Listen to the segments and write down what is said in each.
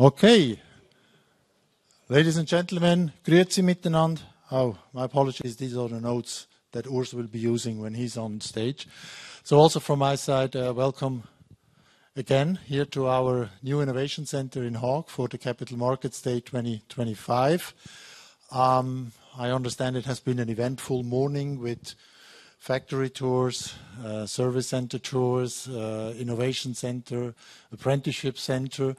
Okay. Ladies and gentlemen, Grüezi miteinander. My apologies, these are the notes that Urs will be using when he's on stage. Also from my side, welcome again here to our new Innovation Center in Haag for the Capital Markets Day 2025. I understand it has been an eventful morning with factory tours, service center tours, innovation center, apprenticeship center.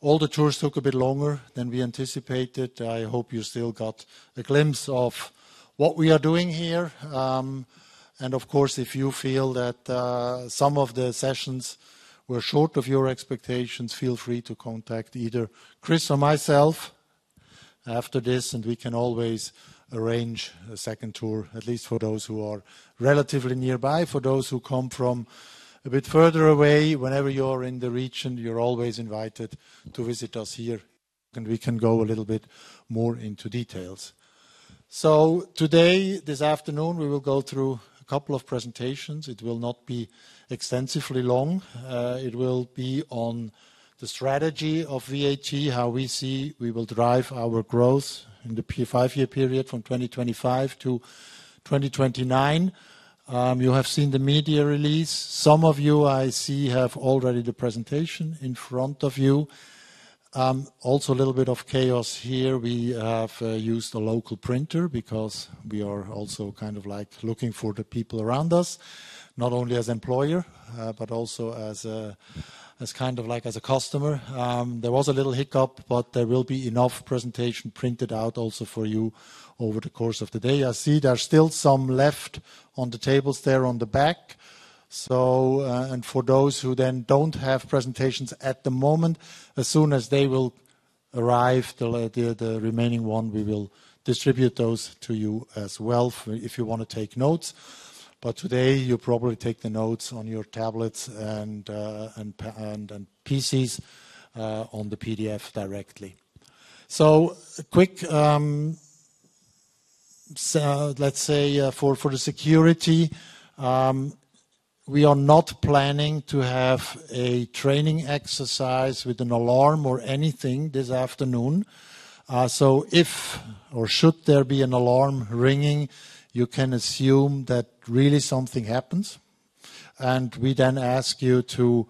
All the tours took a bit longer than we anticipated. I hope you still got a glimpse of what we are doing here. Of course, if you feel that some of the sessions were short of your expectations, feel free to contact either Chris or myself after this, and we can always arrange a second tour, at least for those who are relatively nearby. For those who come from a bit further away, whenever you are in the region, you're always invited to visit us here, and we can go a little bit more into details. Today, this afternoon, we will go through a couple of presentations. It will not be extensively long. It will be on the strategy of VAT, how we see we will drive our growth in the five-year period from 2025 to 2029. You have seen the media release. Some of you, I see, have already the presentation in front of you. Also, a little bit of chaos here. We have used a local printer because we are also kind of like looking for the people around us, not only as an employer, but also as kind of like as a customer. There was a little hiccup, but there will be enough presentation printed out also for you over the course of the day. I see there is still some left on the tables there on the back. For those who then do not have presentations at the moment, as soon as they will arrive, the remaining one, we will distribute those to you as well if you want to take notes. Today, you will probably take the notes on your tablets and PCs on the PDF directly. A quick, let's say, for the security, we are not planning to have a training exercise with an alarm or anything this afternoon. If or should there be an alarm ringing, you can assume that really something happens. We then ask you to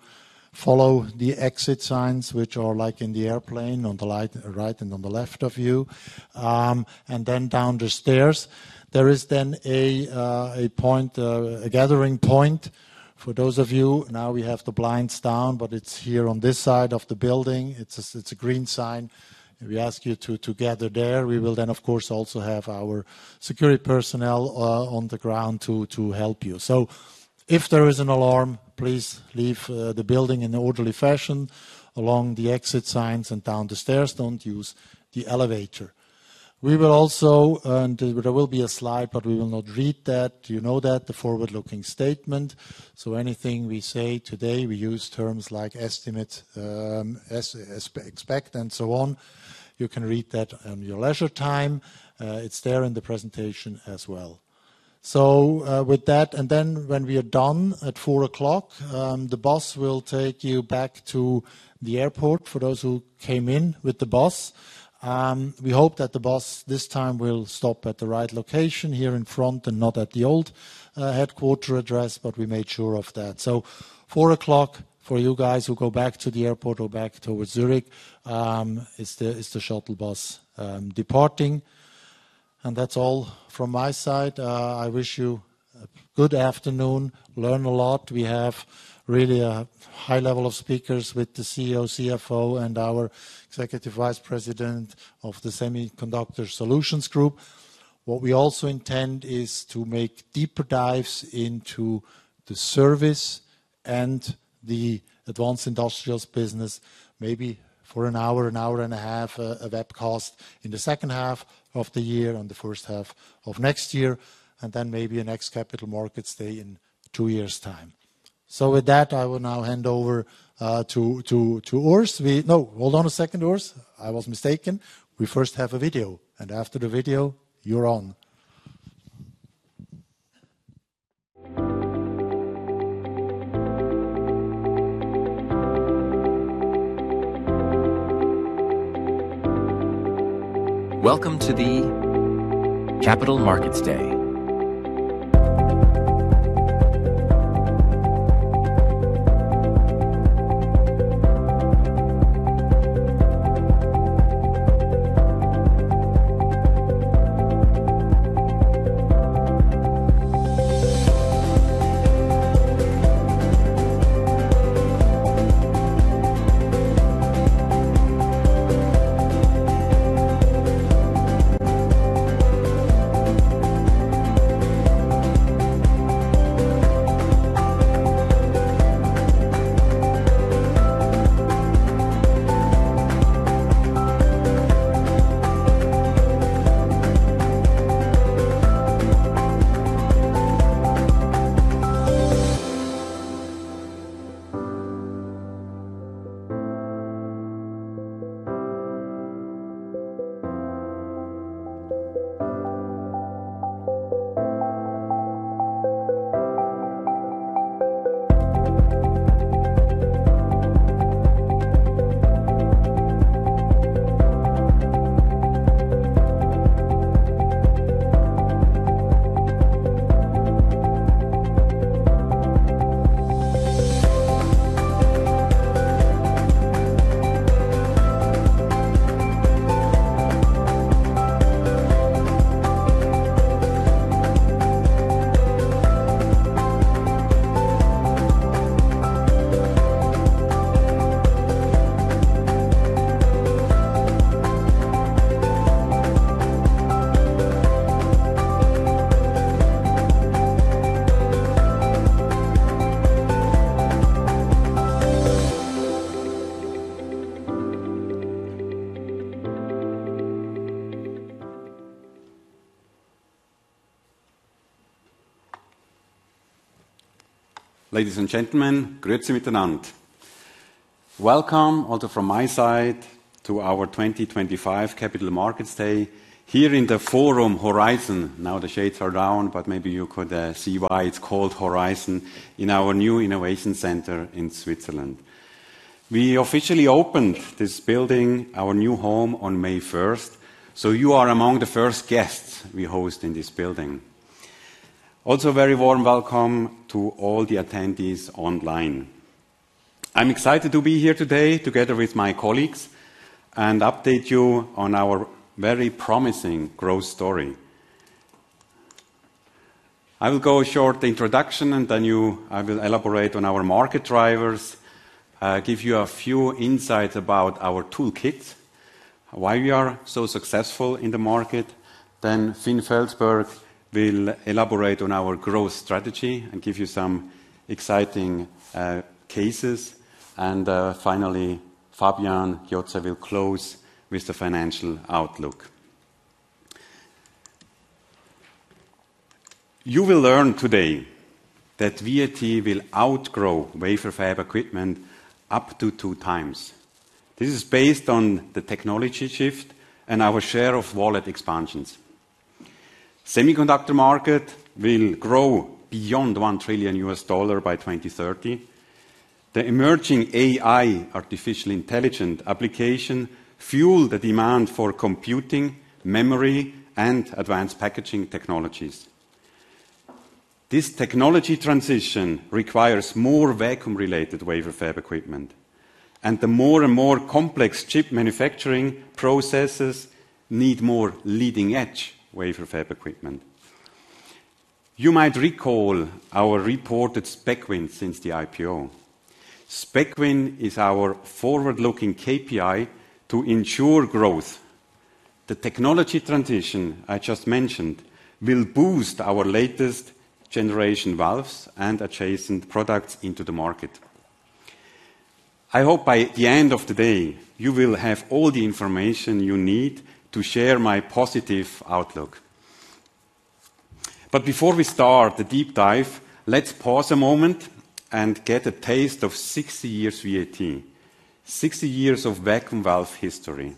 follow the exit signs, which are like in the airplane on the right and on the left of you. Then down the stairs, there is a point, a gathering point for those of you. Now we have the blinds down, but it is here on this side of the building. It is a green sign. We ask you to gather there. We will then, of course, also have our security personnel on the ground to help you. If there is an alarm, please leave the building in an orderly fashion along the exit signs and down the stairs. Do not use the elevator. We will also, and there will be a slide, but we will not read that. You know that, the forward-looking statement. Anything we say today, we use terms like estimate, expect, and so on. You can read that on your leisure time. It is there in the presentation as well. With that, and then when we are done at 4:00 P.M., the bus will take you back to the airport for those who came in with the bus. We hope that the bus this time will stop at the right location here in front and not at the old headquarter address, but we made sure of that. Four o'clock for you guys who go back to the airport or back towards Zurich is the shuttle bus departing. That's all from my side. I wish you a good afternoon. Learn a lot. We have really a high level of speakers with the CEO, CFO, and our Executive Vice President of the Semiconductor Solutions Group. What we also intend is to make deeper dives into the service and the advanced industrials business, maybe for an hour, an hour and a half, a webcast in the second half of the year and the first half of next year, and then maybe a next capital markets day in two years' time. With that, I will now hand over to Urs. No, hold on a second, Urs. I was mistaken. We first have a video, and after the video, you're on. Welcome to the Capital Markets Day. Ladies and gentlemen, Grüezi miteinander. Welcome also from my side to our 2025 Capital Markets Day here in the Forum Horizon. Now the shades are down, but maybe you could see why it's called Horizon in our new Innovation Center in Switzerland. We officially opened this building, our new home, on May 1st, so you are among the first guests we host in this building. Also, a very warm welcome to all the attendees online. I'm excited to be here today together with my colleagues and update you on our very promising growth story. I will go short the introduction, and then I will elaborate on our market drivers, give you a few insights about our toolkit, why we are so successful in the market. Then Finn Felsberg will elaborate on our growth strategy and give you some exciting cases. Finally, Fabian Chiozza will close with the financial outlook. You will learn today that VAT will outgrow wafer fab equipment up to two times. This is based on the technology shift and our share of wallet expansions. The semiconductor market will grow beyond $1 trillion by 2030. The emerging AI, artificial intelligent application, fuels the demand for computing, memory, and advanced packaging technologies. This technology transition requires more vacuum-related wafer fab equipment, and the more and more complex chip manufacturing processes need more leading-edge wafer fab equipment. You might recall our reported spec win since the IPO. Spec win is our forward-looking KPI to ensure growth. The technology transition I just mentioned will boost our latest generation valves and adjacent products into the market. I hope by the end of the day, you will have all the information you need to share my positive outlook. Before we start the deep dive, let's pause a moment and get a taste of 60 years VAT, 60 years of vacuum valve history.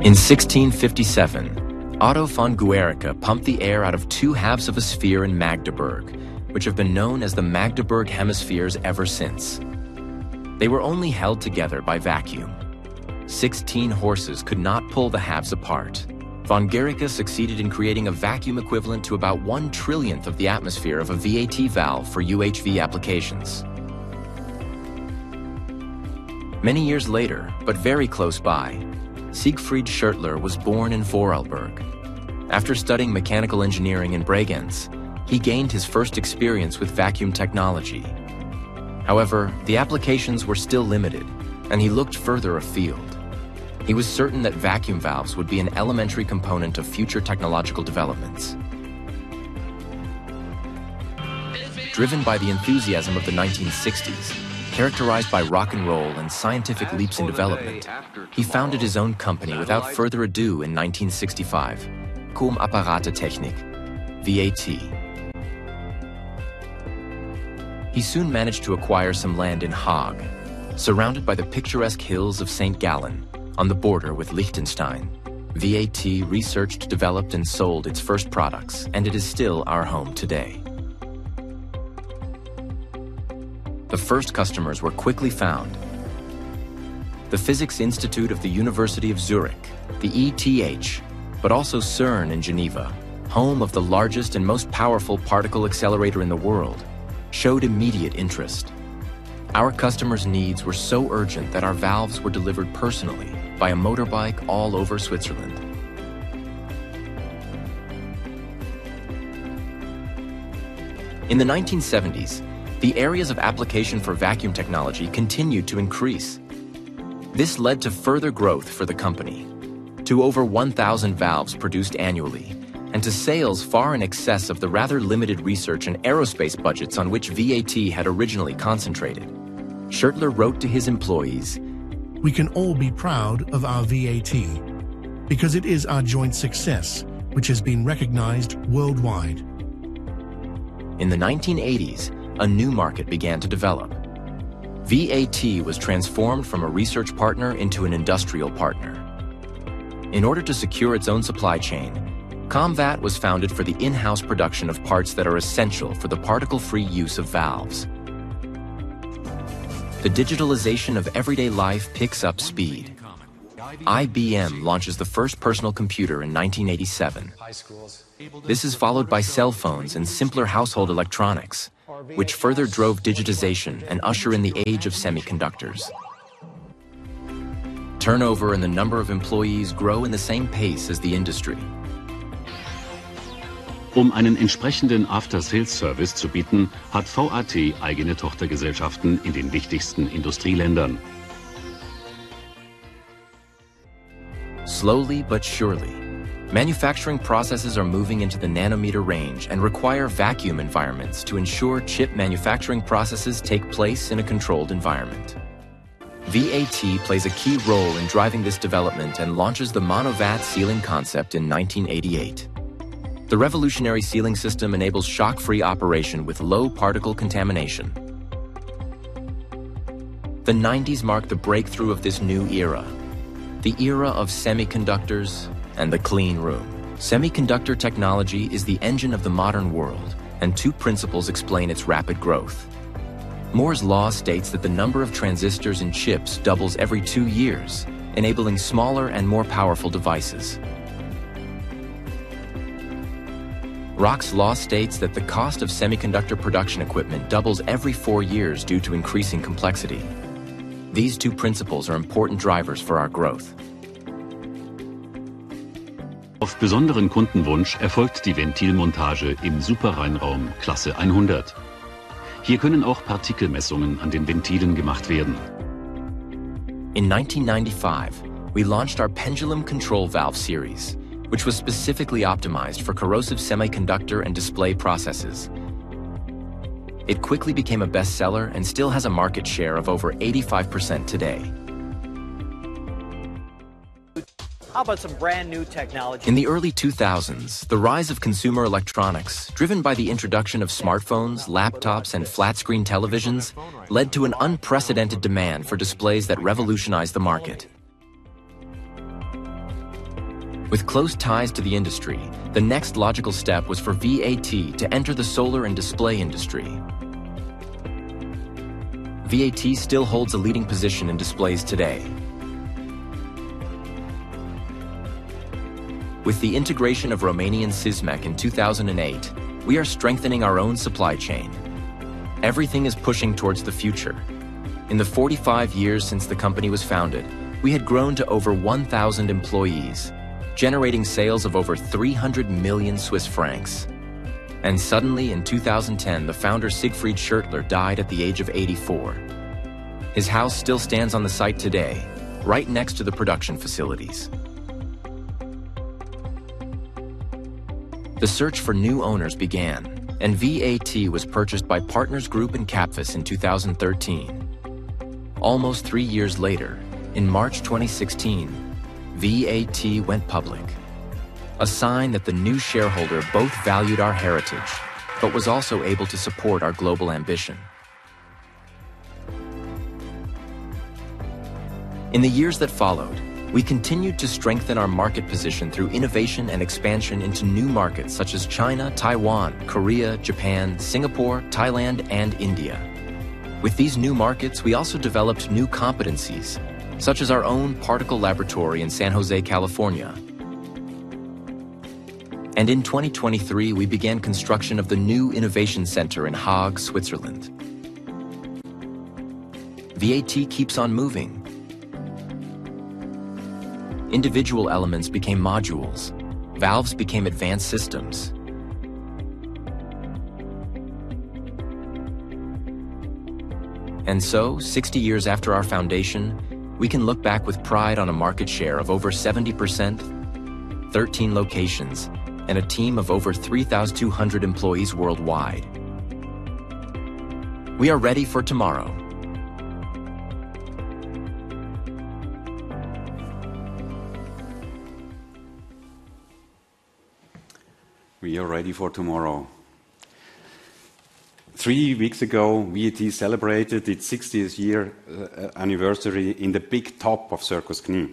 In 1657, Otto von Guericke pumped the air out of two halves of a sphere in Magdeburg, which have been known as the Magdeburg Hemispheres ever since. They were only held together by vacuum. Sixteen horses could not pull the halves apart. Von Guericke succeeded in creating a vacuum equivalent to about one trillionth of the atmosphere of a VAT valve for UHV applications. Many years later, but very close by, Siegfried Schertler was born in Vorarlberg. After studying mechanical engineering in Bregenz, he gained his first experience with vacuum technology. However, the applications were still limited, and he looked further afield. He was certain that vacuum valves would be an elementary component of future technological developments. Driven by the enthusiasm of the 1960s, characterized by rock and roll and scientific leaps in development, he founded his own company without further ado in 1965, Cum Apparate Technik, VAT. He soon managed to acquire some land in Haag, surrounded by the picturesque hills of St. Gallen on the border with Liechtenstein. VAT researched, developed, and sold its first products, and it is still our home today. The first customers were quickly found. The Physics Institute of the University of Zurich, the ETH, but also CERN in Geneva, home of the largest and most powerful particle accelerator in the world, showed immediate interest. Our customers' needs were so urgent that our valves were delivered personally by a motorbike all over Switzerland. In the 1970s, the areas of application for vacuum technology continued to increase. This led to further growth for the company, to over 1,000 valves produced annually and to sales far in excess of the rather limited research and aerospace budgets on which VAT had originally concentrated. Schertler wrote to his employees, "We can all be proud of our VAT because it is our joint success which has been recognized worldwide." In the 1980s, a new market began to develop. VAT was transformed from a research partner into an industrial partner. In order to secure its own supply chain, COMVAT was founded for the in-house production of parts that are essential for the particle-free use of valves. The digitalization of everyday life picks up speed. IBM launches the first personal computer in 1987. This is followed by cell phones and simpler household electronics, which further drove digitization and usher in the age of semiconductors. Turnover and the number of employees grow in the same pace as the industry. Einen entsprechenden After-Sales-Service zu bieten, hat VAT eigene Tochtergesellschaften in den wichtigsten Industrieländern. Slowly but surely, manufacturing processes are moving into the nanometer range and require vacuum environments to ensure chip manufacturing processes take place in a controlled environment. VAT plays a key role in driving this development and launches the Monovat ceiling concept in 1988. The revolutionary ceiling system enables shock-free operation with low particle contamination. The 1990s mark the breakthrough of this new era, the era of semiconductors and the clean room. Semiconductor technology is the engine of the modern world, and two principles explain its rapid growth. Moore's Law states that the number of transistors in chips doubles every two years, enabling smaller and more powerful devices. Rock's Law states that the cost of semiconductor production equipment doubles every four years due to increasing complexity. These two principles are important drivers for our growth. Auf besonderen Kundenwunsch erfolgt die Ventilmontage im Superreinraum Klasse 100. Hier können auch Partikelmessungen an den Ventilen gemacht werden. In 1995, we launched our Pendulum Control Valve series, which was specifically optimized for corrosive semiconductor and display processes. It quickly became a bestseller and still has a market share of over 85% today. In the early 2000s, the rise of consumer electronics, driven by the introduction of smartphones, laptops, and flat-screen televisions, led to an unprecedented demand for displays that revolutionized the market. With close ties to the industry, the next logical step was for VAT to enter the solar and display industry. VAT still holds a leading position in displays today. With the integration of Romanian Sismec in 2008, we are strengthening our own supply chain. Everything is pushing towards the future. In the 45 years since the company was founded, we had grown to over 1,000 employees, generating sales of over 300 million Swiss francs. Suddenly, in 2010, the founder Siegfried Schertler died at the age of 84. His house still stands on the site today, right next to the production facilities. The search for new owners began, and VAT was purchased by Partners Group and Capvis in 2013. Almost three years later, in March 2016, VAT went public, a sign that the new shareholder both valued our heritage but was also able to support our global ambition. In the years that followed, we continued to strengthen our market position through innovation and expansion into new markets such as China, Taiwan, Korea, Japan, Singapore, Thailand, and India. With these new markets, we also developed new competencies, such as our own particle laboratory in San Jose, California. In 2023, we began construction of the new Innovation Center in Haag, Switzerland. VAT keeps on moving. Individual elements became modules, valves became advanced systems. Sixty years after our foundation, we can look back with pride on a market share of over 70%, 13 locations, and a team of over 3,200 employees worldwide. We are ready for tomorrow. We are ready for tomorrow. Three weeks ago, VAT celebrated its 60th year anniversary in the big top of Circus Knie.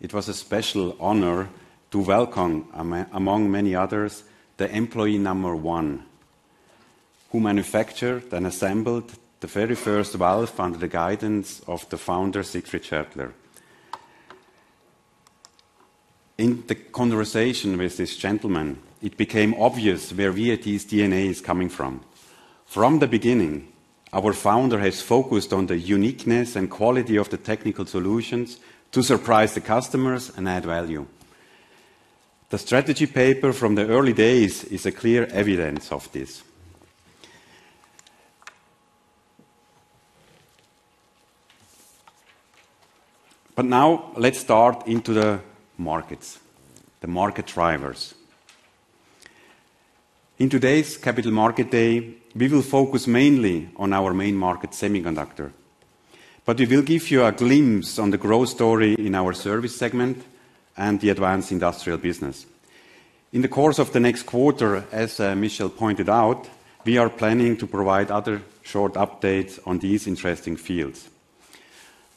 It was a special honor to welcome, among many others, the employee number one, who manufactured and assembled the very first valve under the guidance of the founder, Siegfried Schertler. In the conversation with this gentleman, it became obvious where VAT's DNA is coming from. From the beginning, our founder has focused on the uniqueness and quality of the technical solutions to surprise the customers and add value. The strategy paper from the early days is clear evidence of this. Now let's start into the markets, the market drivers. In today's Capital Market Day, we will focus mainly on our main market, semiconductor. We will give you a glimpse on the growth story in our service segment and the advanced industrial business. In the course of the next quarter, as Michel pointed out, we are planning to provide other short updates on these interesting fields.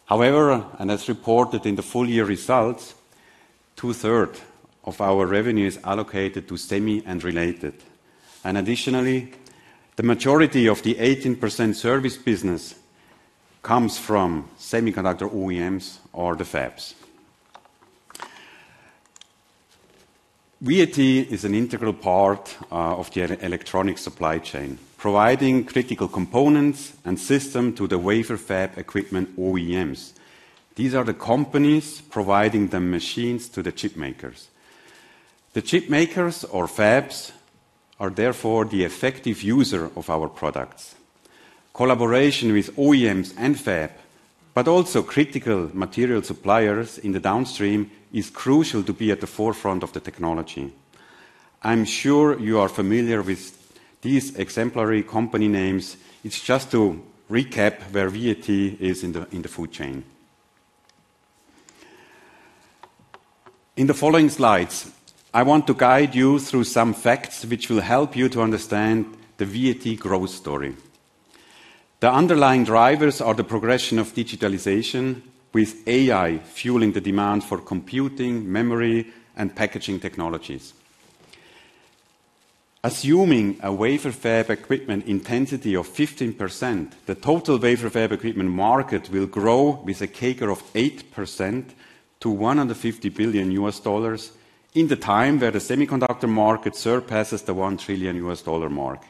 However, as reported in the full year results, two-thirds of our revenue is allocated to semi and related. Additionally, the majority of the 18% service business comes from semiconductor OEMs or the fabs. VAT is an integral part of the electronic supply chain, providing critical components and systems to the wafer fab equipment OEMs. These are the companies providing the machines to the chip makers. The chip makers or fabs are therefore the effective users of our products. Collaboration with OEMs and fabs, but also critical material suppliers in the downstream, is crucial to be at the forefront of the technology. I'm sure you are familiar with these exemplary company names. It's just to recap where VAT is in the food chain. In the following slides, I want to guide you through some facts which will help you to understand the VAT growth story. The underlying drivers are the progression of digitalization, with AI fueling the demand for computing, memory, and packaging technologies. Assuming a wafer fab equipment intensity of 15%, the total wafer fab equipment market will grow with a CAGR of 8% to $150 billion in the time where the semiconductor market surpasses the $1 trillion mark.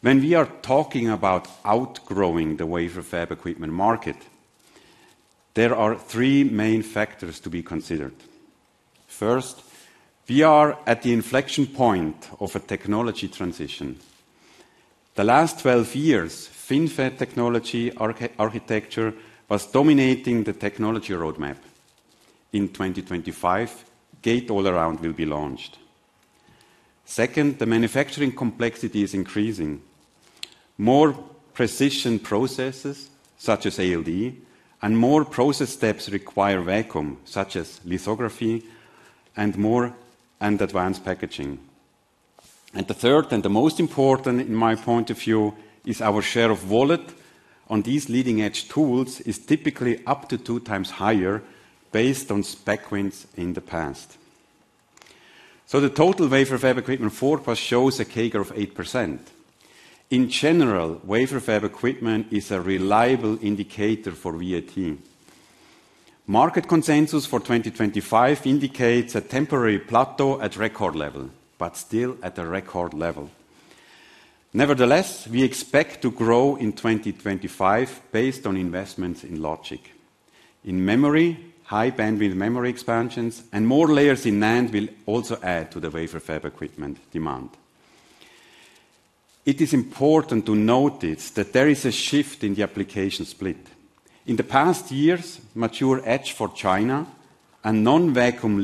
When we are talking about outgrowing the wafer fab equipment market, there are three main factors to be considered. First, we are at the inflection point of a technology transition. The last 12 years, FinFET technology architecture was dominating the technology roadmap. In 2025, Gate-All-Around will be launched. Second, the manufacturing complexity is increasing. More precision processes, such as ALD, and more process steps require vacuum, such as lithography and more advanced packaging. The third, and the most important in my point of view, is our share of wallet on these leading-edge tools is typically up to two times higher based on spec wins in the past. The total Wafer Fab Equipment forecast shows a CAGR of 8%. In general, Wafer Fab Equipment is a reliable indicator for VAT. Market consensus for 2025 indicates a temporary plateau at record level, but still at a record level. Nevertheless, we expect to grow in 2025 based on investments in logic. In memory, high bandwidth memory expansions and more layers in NAND will also add to the Wafer Fab Equipment demand. It is important to notice that there is a shift in the application split. In the past years, mature edge for China and non-vacuum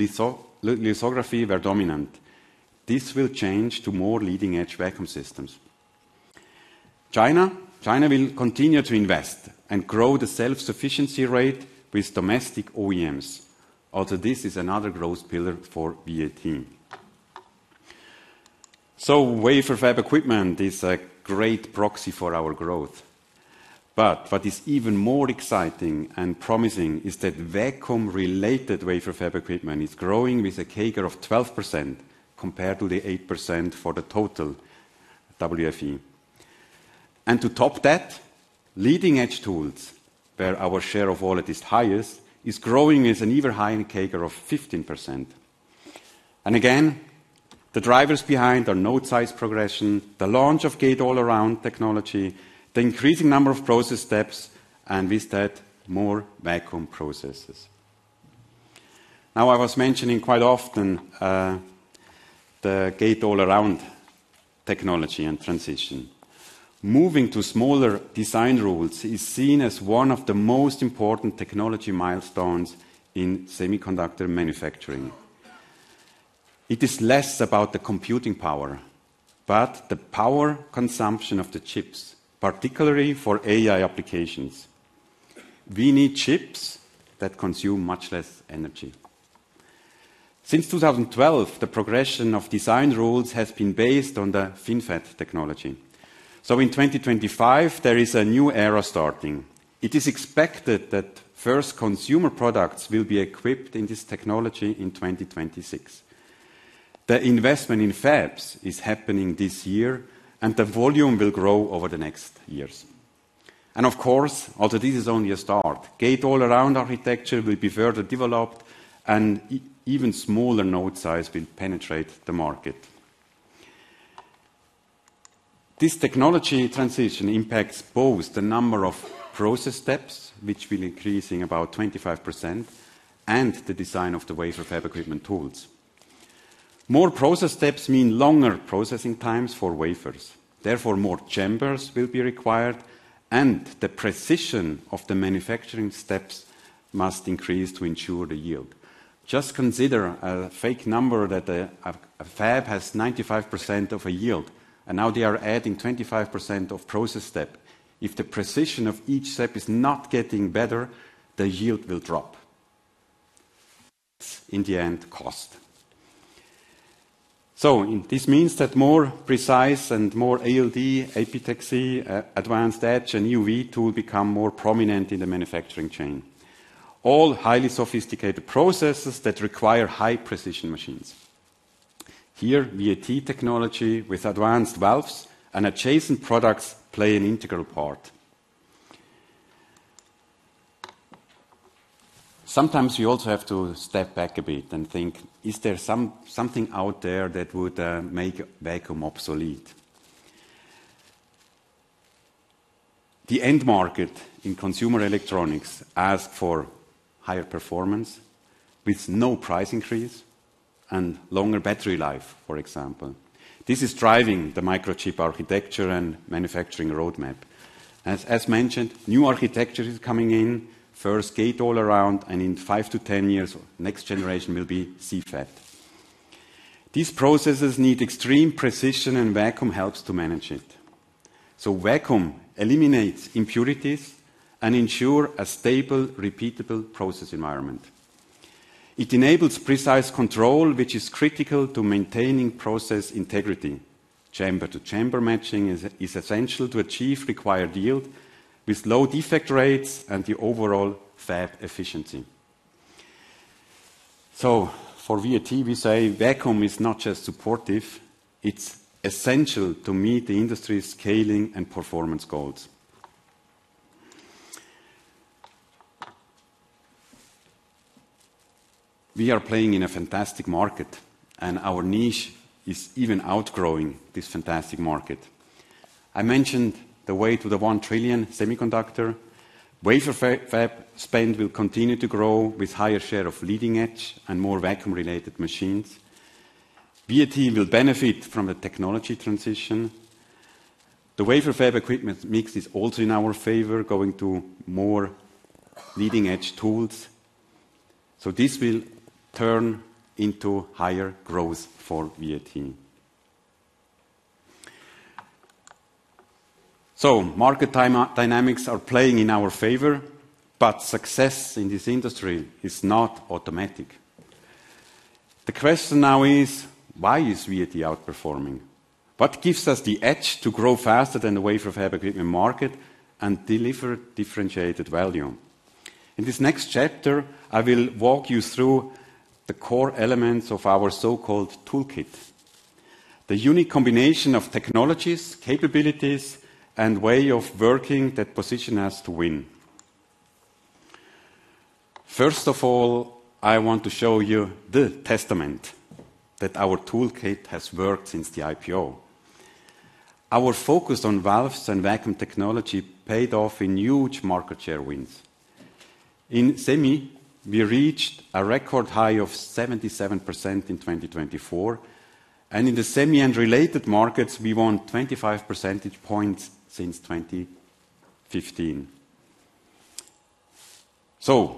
lithography were dominant. This will change to more leading-edge vacuum systems. China will continue to invest and grow the self-sufficiency rate with domestic OEMs. Also, this is another growth pillar for VAT. Wafer Fab Equipment is a great proxy for our growth. What is even more exciting and promising is that vacuum-related wafer fab equipment is growing with a CAGR of 12% compared to the 8% for the total WFE. To top that, leading-edge tools, where our share of wallet is highest, is growing with an even higher CAGR of 15%. Again, the drivers behind are node-size progression, the launch of Gate-All-Around technology, the increasing number of process steps, and with that, more vacuum processes. Now, I was mentioning quite often the Gate-All-Around technology and transition. Moving to smaller design rules is seen as one of the most important technology milestones in semiconductor manufacturing. It is less about the computing power, but the power consumption of the chips, particularly for AI applications. We need chips that consume much less energy. Since 2012, the progression of design rules has been based on the FinFET technology. In 2025, there is a new era starting. It is expected that first consumer products will be equipped in this technology in 2026. The investment in fabs is happening this year, and the volume will grow over the next years. Of course, although this is only a start, Gate-All-Around architecture will be further developed, and even smaller node size will penetrate the market. This technology transition impacts both the number of process steps, which will increase by about 25%, and the design of the wafer fab equipment tools. More process steps mean longer processing times for wafers. Therefore, more chambers will be required, and the precision of the manufacturing steps must increase to ensure the yield. Just consider a fake number that a fab has 95% of a yield, and now they are adding 25% of process step. If the precision of each step is not getting better, the yield will drop. In the end, cost. This means that more precise and more ALD, APTEX C, advanced edge, and EUV tools become more prominent in the manufacturing chain. All highly sophisticated processes that require high precision machines. Here, VAT technology with advanced valves and adjacent products play an integral part. Sometimes you also have to step back a bit and think, is there something out there that would make vacuum obsolete? The end market in consumer electronics asks for higher performance with no price increase and longer battery life, for example. This is driving the microchip architecture and manufacturing roadmap. As mentioned, new architecture is coming in. First, Gate-All-Around, and in 5 to 10 years, next generation will be CFET. These processes need extreme precision and vacuum helps to manage it. Vacuum eliminates impurities and ensures a stable, repeatable process environment. It enables precise control, which is critical to maintaining process integrity. Chamber-to-chamber matching is essential to achieve required yield with low defect rates and the overall fab efficiency. For VAT, we say vacuum is not just supportive; it is essential to meet the industry's scaling and performance goals. We are playing in a fantastic market, and our niche is even outgrowing this fantastic market. I mentioned the way to the $1 trillion semiconductor. Wafer fab spend will continue to grow with a higher share of leading-edge and more vacuum-related machines. VAT will benefit from the technology transition. The wafer fab equipment mix is also in our favor, going to more leading-edge tools. This will turn into higher growth for VAT. Market dynamics are playing in our favor, but success in this industry is not automatic. The question now is, why is VAT outperforming? What gives us the edge to grow faster than the wafer fab equipment market and deliver differentiated value? In this next chapter, I will walk you through the core elements of our so-called toolkit, the unique combination of technologies, capabilities, and way of working that position us to win. First of all, I want to show you the testament that our toolkit has worked since the IPO. Our focus on valves and vacuum technology paid off in huge market share wins. In semi, we reached a record high of 77% in 2024, and in the semi and related markets, we won 25 percentage points since 2015.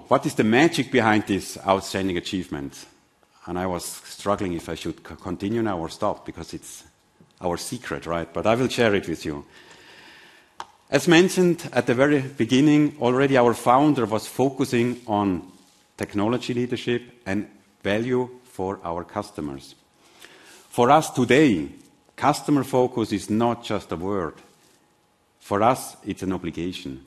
What is the magic behind this outstanding achievement? I was struggling if I should continue in our stuff because it's our secret, right? I will share it with you. As mentioned at the very beginning, already our founder was focusing on technology leadership and value for our customers. For us today, customer focus is not just a word. For us, it's an obligation.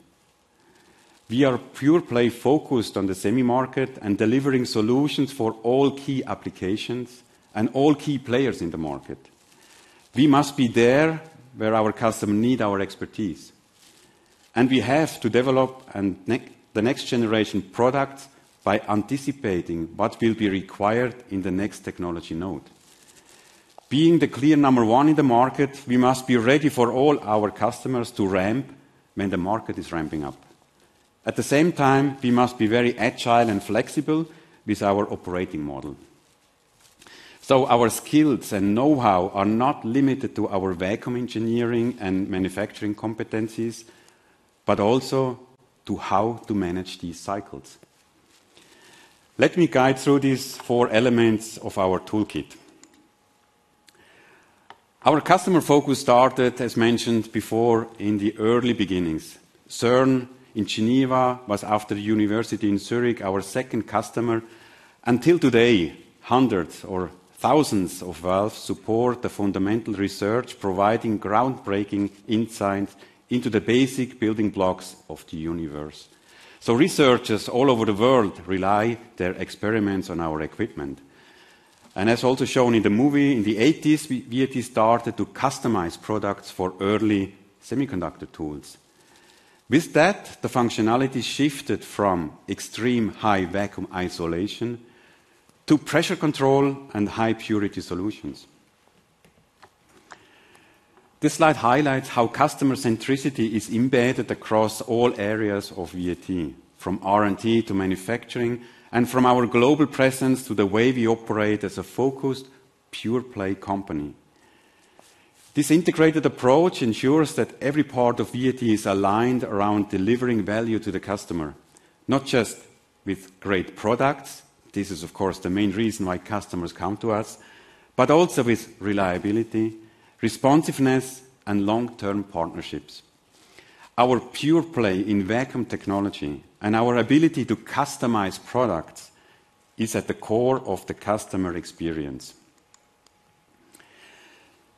We are pure-play focused on the semi market and delivering solutions for all key applications and all key players in the market. We must be there where our customers need our expertise. We have to develop the next generation products by anticipating what will be required in the next technology node. Being the clear number one in the market, we must be ready for all our customers to ramp when the market is ramping up. At the same time, we must be very agile and flexible with our operating model. Our skills and know-how are not limited to our vacuum engineering and manufacturing competencies, but also to how to manage these cycles. Let me guide through these four elements of our toolkit. Our customer focus started, as mentioned before, in the early beginnings. CERN in Geneva was, after the University of Zurich, our second customer. Until today, hundreds or thousands of valves support the fundamental research, providing groundbreaking insights into the basic building blocks of the universe. Researchers all over the world rely on their experiments on our equipment. As also shown in the movie, in the 1980s, VAT started to customize products for early semiconductor tools. With that, the functionality shifted from extreme high vacuum isolation to pressure control and high purity solutions. This slide highlights how customer centricity is embedded across all areas of VAT, from R&D to manufacturing, and from our global presence to the way we operate as a focused pure-play company. This integrated approach ensures that every part of VAT is aligned around delivering value to the customer, not just with great products. This is, of course, the main reason why customers come to us, but also with reliability, responsiveness, and long-term partnerships. Our pure play in vacuum technology and our ability to customize products is at the core of the customer experience.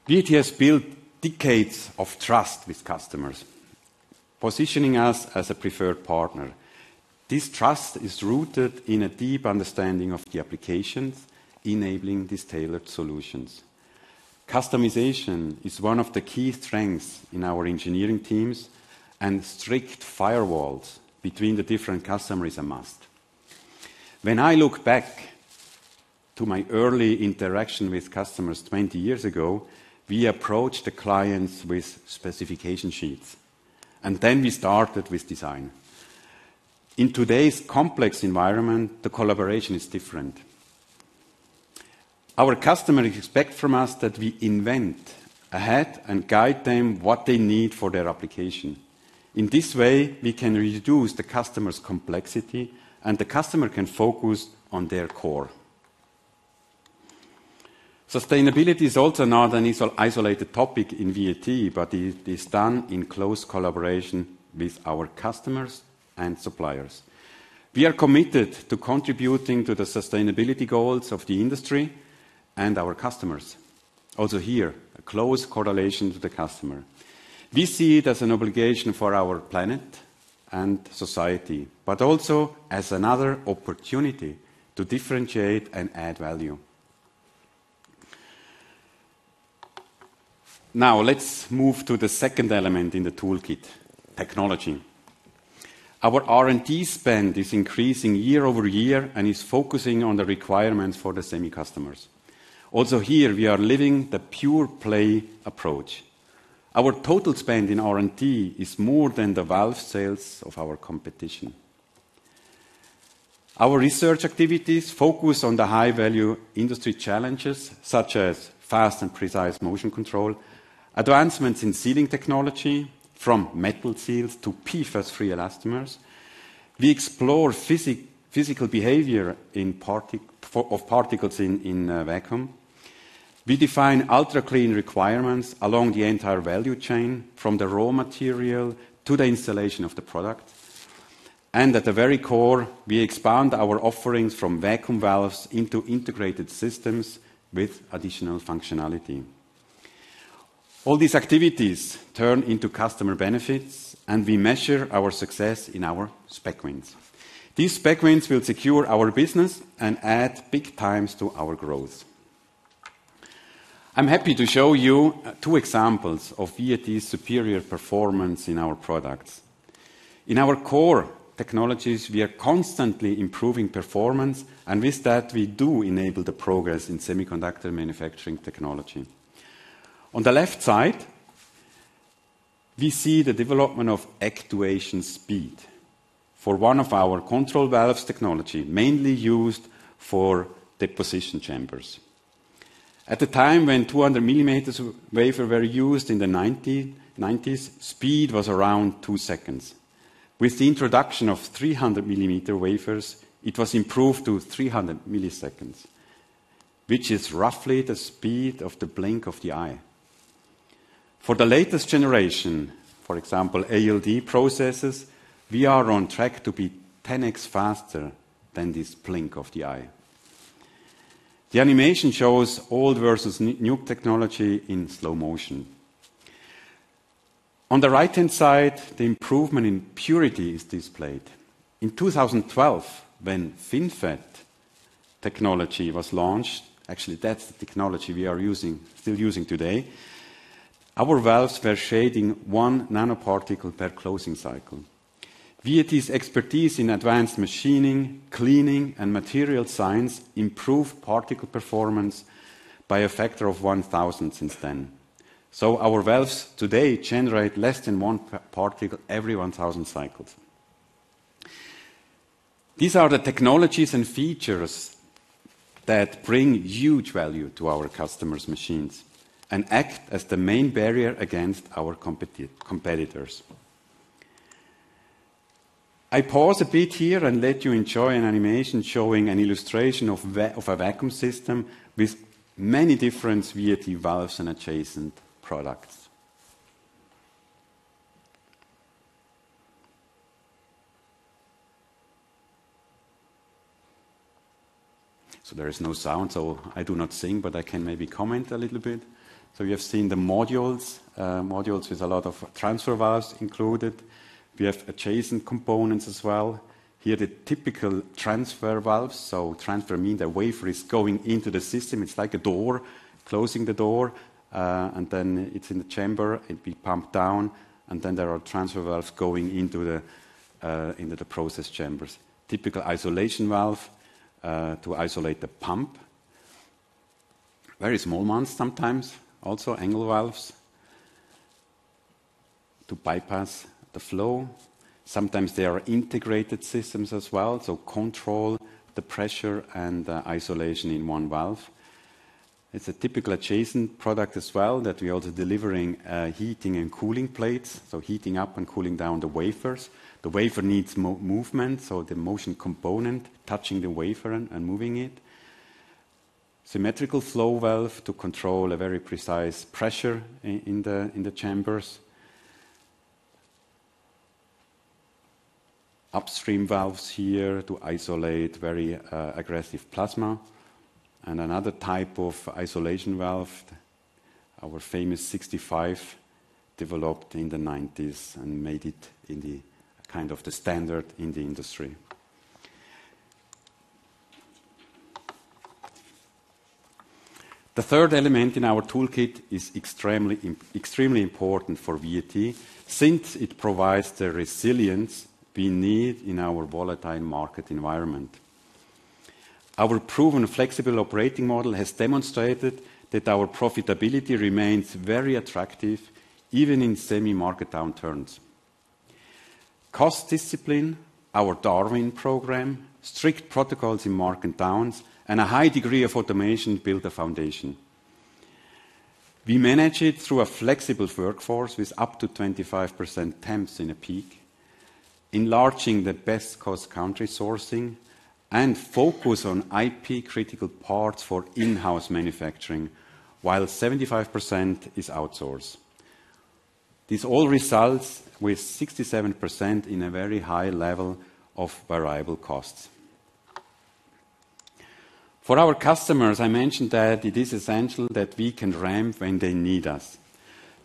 VAT has built decades of trust with customers, positioning us as a preferred partner. This trust is rooted in a deep understanding of the applications, enabling these tailored solutions. Customization is one of the key strengths in our engineering teams, and strict firewalls between the different customers are a must. When I look back to my early interaction with customers 20 years ago, we approached the clients with specification sheets, and then we started with design. In today's complex environment, the collaboration is different. Our customers expect from us that we invent ahead and guide them what they need for their application. In this way, we can reduce the customer's complexity, and the customer can focus on their core. Sustainability is also not an isolated topic in VAT, but it is done in close collaboration with our customers and suppliers. We are committed to contributing to the sustainability goals of the industry and our customers. Also here, a close correlation to the customer. We see it as an obligation for our planet and society, but also as another opportunity to differentiate and add value. Now, let's move to the second element in the toolkit: technology. Our R&D spend is increasing year over year and is focusing on the requirements for the semi customers. Also here, we are living the pure-play approach. Our total spend in R&D is more than the valve sales of our competition. Our research activities focus on the high-value industry challenges, such as fast and precise motion control, advancements in sealing technology, from metal seals to PFAS-free elastomers. We explore physical behavior of particles in vacuum. We define ultra-clean requirements along the entire value chain, from the raw material to the installation of the product. At the very core, we expand our offerings from vacuum valves into integrated systems with additional functionality. All these activities turn into customer benefits, and we measure our success in our spec wins. These spec wins will secure our business and add big times to our growth. I'm happy to show you two examples of VAT's superior performance in our products. In our core technologies, we are constantly improving performance, and with that, we do enable the progress in semiconductor manufacturing technology. On the left side, we see the development of actuation speed for one of our control valves technology, mainly used for deposition chambers. At the time when 200 wafer were used in the 1990s, speed was around 2 seconds. With the introduction of 300 wafer, it was improved to 300 ms, which is roughly the speed of the blink of the eye. For the latest generation, for example, ALD processes, we are on track to be 10x faster than this blink of the eye. The animation shows old versus new technology in slow motion. On the right-hand side, the improvement in purity is displayed. In 2012, when FinFET technology was launched, actually, that's the technology we are still using today, our valves were shedding one nanoparticle per closing cycle. VAT's expertise in advanced machining, cleaning, and material science improved particle performance by a factor of 1,000 since then. Our valves today generate less than one particle every 1,000 cycles. These are the technologies and features that bring huge value to our customers' machines and act as the main barrier against our competitors. I pause a bit here and let you enjoy an animation showing an illustration of a vacuum system with many different VAT valves and adjacent products. There is no sound, so I do not sing, but I can maybe comment a little bit. You have seen the modules with a lot of transfer valves included. We have adjacent components as well. Here, the typical transfer valves. Transfer means the wafer is going into the system. It is like a door closing the door, and then it is in the chamber. It will pump down, and then there are transfer valves going into the process chambers. Typical isolation valve to isolate the pump. Very small ones sometimes, also angle valves to bypass the flow. Sometimes they are integrated systems as well, so control the pressure and isolation in one valve. It's a typical adjacent product as well that we are also delivering heating and cooling plates, so heating up and cooling down the wafers. The wafer needs movement, so the motion component touching the wafer and moving it. Symmetrical flow valve to control a very precise pressure in the chambers. Upstream valves here to isolate very aggressive plasma. Another type of isolation valve, our famous 65, developed in the 1990s and made it kind of the standard in the industry. The third element in our toolkit is extremely important for VAT since it provides the resilience we need in our volatile market environment. Our proven flexible operating model has demonstrated that our profitability remains very attractive even in semi-market downturns. Cost discipline, our Darwin program, strict protocols in market downs, and a high degree of automation build a foundation. We manage it through a flexible workforce with up to 25% temps in a peak, enlarging the best cost country sourcing and focus on IP-critical parts for in-house manufacturing, while 75% is outsourced. This all results with 67% in a very high level of variable costs. For our customers, I mentioned that it is essential that we can ramp when they need us.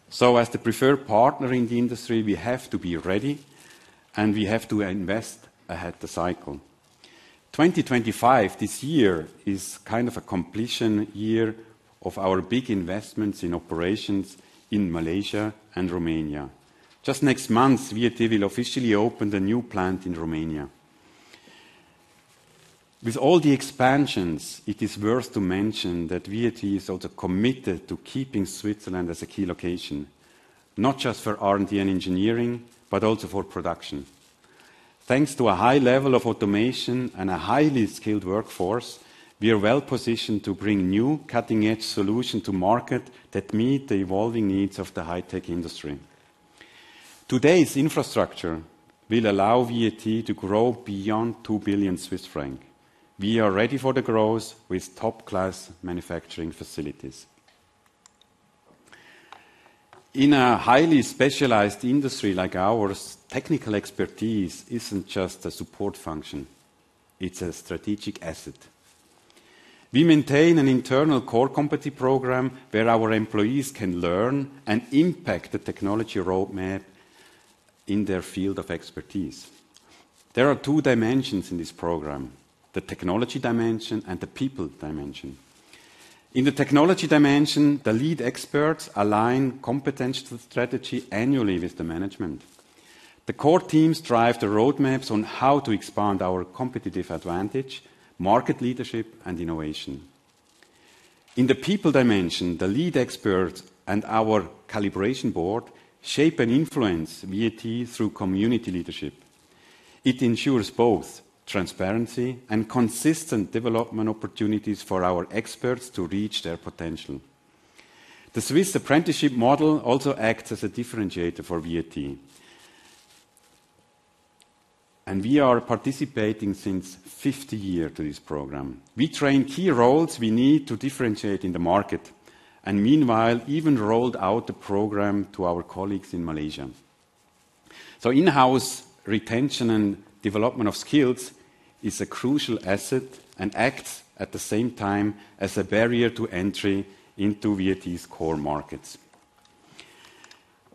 As the preferred partner in the industry, we have to be ready, and we have to invest ahead the cycle. 2025, this year, is kind of a completion year of our big investments in operations in Malaysia and Romania. Just next month, VAT will officially open the new plant in Romania. With all the expansions, it is worth to mention that VAT is also committed to keeping Switzerland as a key location, not just for R&D and engineering, but also for production. Thanks to a high level of automation and a highly skilled workforce, we are well positioned to bring new cutting-edge solutions to market that meet the evolving needs of the high-tech industry. Today's infrastructure will allow VAT to grow beyond 2 billion Swiss francs. We are ready for the growth with top-class manufacturing facilities. In a highly specialized industry like ours, technical expertise isn't just a support function, it's a strategic asset. We maintain an internal core competency program where our employees can learn and impact the technology roadmap in their field of expertise. There are two dimensions in this program: the technology dimension and the people dimension. In the technology dimension, the lead experts align competency strategy annually with the management. The core teams drive the roadmaps on how to expand our competitive advantage, market leadership, and innovation. In the people dimension, the lead experts and our calibration board shape and influence VAT through community leadership. It ensures both transparency and consistent development opportunities for our experts to reach their potential. The Swiss apprenticeship model also acts as a differentiator for VAT, and we are participating since 50 years to this program. We train key roles we need to differentiate in the market and, meanwhile, even rolled out the program to our colleagues in Malaysia. In-house retention and development of skills is a crucial asset and acts at the same time as a barrier to entry into VAT's core markets.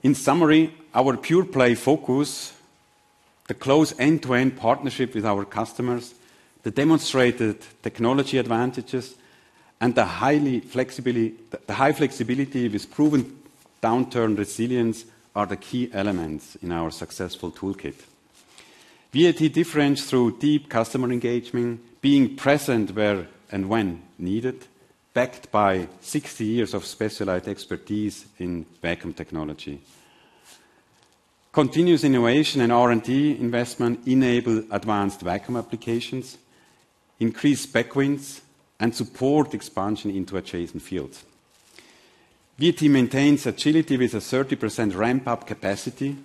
In summary, our pure-play focus, the close end-to-end partnership with our customers, the demonstrated technology advantages, and the high flexibility with proven downturn resilience are the key elements in our successful toolkit. VAT differentiates through deep customer engagement, being present where and when needed, backed by 60 years of specialized expertise in vacuum technology. Continuous innovation and R&D investment enable advanced vacuum applications, increase spec wins, and support expansion into adjacent fields. VAT maintains agility with a 30% ramp-up capacity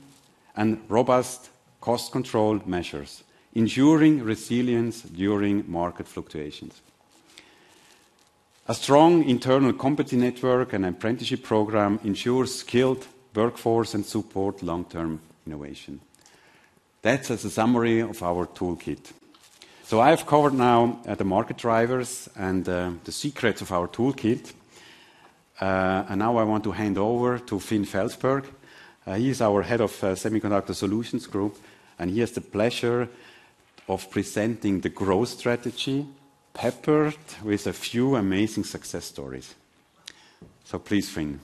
and robust cost control measures, ensuring resilience during market fluctuations. A strong internal competency network and apprenticeship program ensure skilled workforce and support long-term innovation. That is a summary of our toolkit. I have covered now the market drivers and the secrets of our toolkit, and now I want to hand over to Finn Felsberg. He is our Head of Semiconductor Solutions Group, and he has the pleasure of presenting the growth strategy peppered with a few amazing success stories. Please, Finn.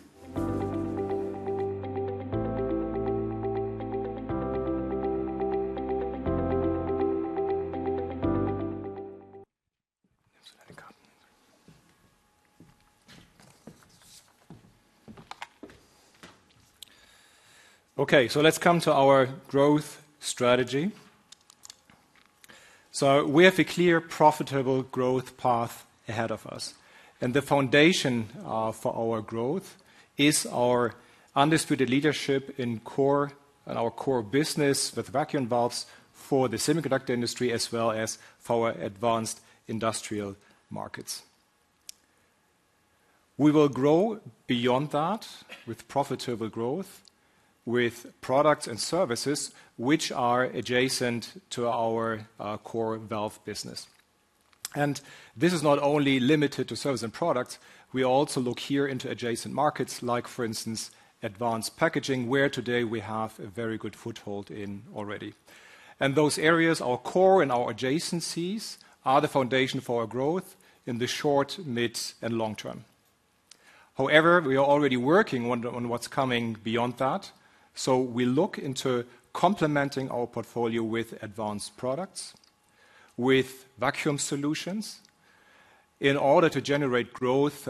Okay, let's come to our growth strategy. We have a clear profitable growth path ahead of us, and the foundation for our growth is our undisputed leadership in our core business with vacuum valves for the semiconductor industry, as well as for our advanced industrial markets. We will grow beyond that with profitable growth with products and services which are adjacent to our core valve business. This is not only limited to services and products; we also look here into adjacent markets, like for instance, advanced packaging, where today we have a very good foothold in already. Those areas, our core and our adjacencies, are the foundation for our growth in the short, mid, and long term. However, we are already working on what's coming beyond that, so we look into complementing our portfolio with advanced products, with vacuum solutions in order to generate growth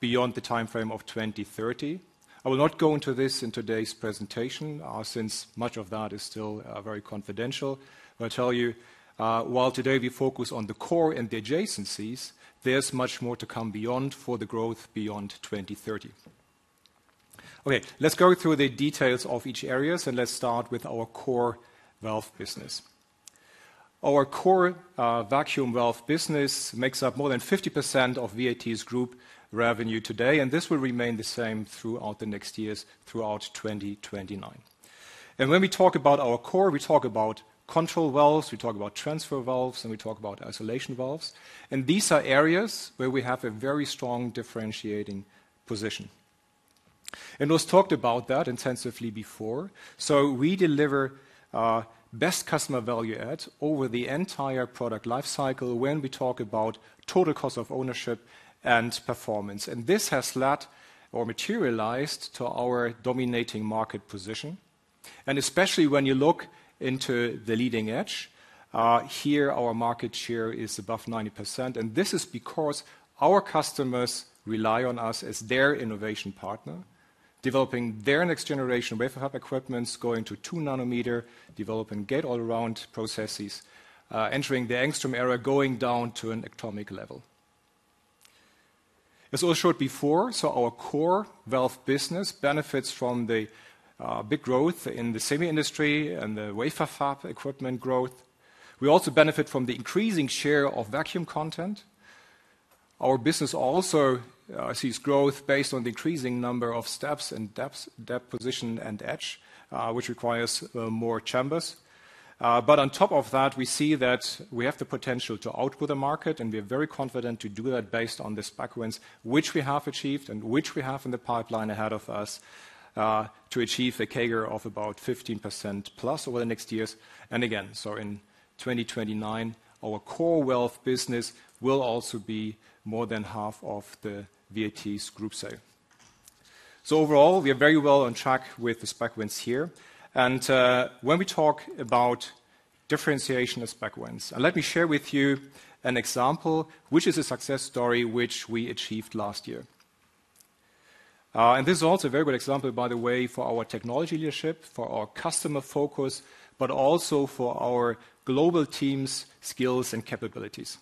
beyond the timeframe of 2030. I will not go into this in today's presentation since much of that is still very confidential. I'll tell you, while today we focus on the core and the adjacencies, there's much more to come beyond for the growth beyond 2030. Okay, let's go through the details of each area, and let's start with our core valve business. Our core vacuum valve business makes up more than 50% of VAT's group revenue today, and this will remain the same throughout the next years, throughout 2029. When we talk about our core, we talk about control valves, we talk about transfer valves, and we talk about isolation valves. These are areas where we have a very strong differentiating position. We have talked about that intensively before. We deliver best customer value-add over the entire product lifecycle when we talk about total cost of ownership and performance. This has led or materialized to our dominating market position. Especially when you look into the leading edge, here our market share is above 90%, and this is because our customers rely on us as their innovation partner, developing their next-generation wafer fab equipment, going to 2 nanometer, developing Gate-All-Around processes, entering the Angstrom era, going down to an atomic level. As I showed before, our core valve business benefits from the big growth in the semi-industry and the wafer fab equipment growth. We also benefit from the increasing share of vacuum content. Our business also sees growth based on the increasing number of steps and depth position and edge, which requires more chambers. On top of that, we see that we have the potential to outpace the market, and we are very confident to do that based on the spec wins, which we have achieved and which we have in the pipeline ahead of us to achieve a CAGR of about 15% plus over the next years. In 2029, our core valve business will also be more than half of VAT's group sale. Overall, we are very well on track with the spec wins here. When we talk about differentiation of spec wins, let me share with you an example, which is a success story which we achieved last year. This is also a very good example, by the way, for our technology leadership, for our customer focus, but also for our global team's skills and capabilities.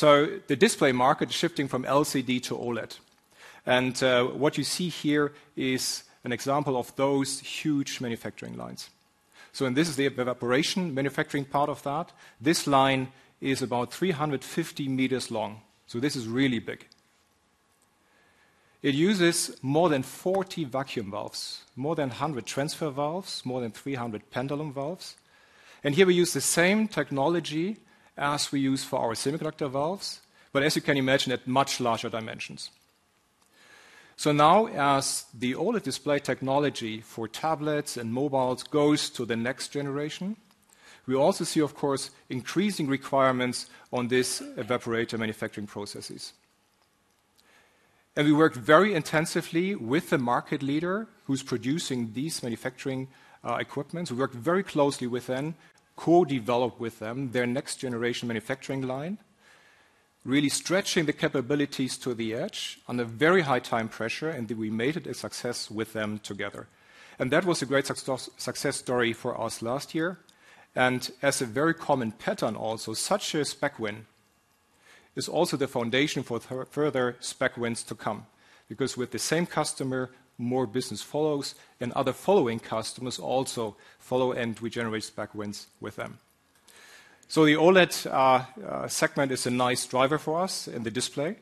The display market is shifting from LCD to OLED. What you see here is an example of those huge manufacturing lines. This is the evaporation manufacturing part of that. This line is about 350 meters long, so this is really big. It uses more than 40 vacuum valves, more than 100 transfer valves, more than 300 pendulum valves. Here we use the same technology as we use for our semiconductor valves, but as you can imagine, at much larger dimensions. Now, as the OLED display technology for tablets and mobiles goes to the next generation, we also see, of course, increasing requirements on these evaporator manufacturing processes. We work very intensively with the market leader who's producing these manufacturing equipments. We work very closely with them, co-develop with them their next-generation manufacturing line, really stretching the capabilities to the edge under very high time pressure, and we made it a success with them together. That was a great success story for us last year. As a very common pattern also, such a spec win is also the foundation for further spec wins to come because with the same customer, more business follows, and other following customers also follow, and we generate spec wins with them. The OLED segment is a nice driver for us in the display.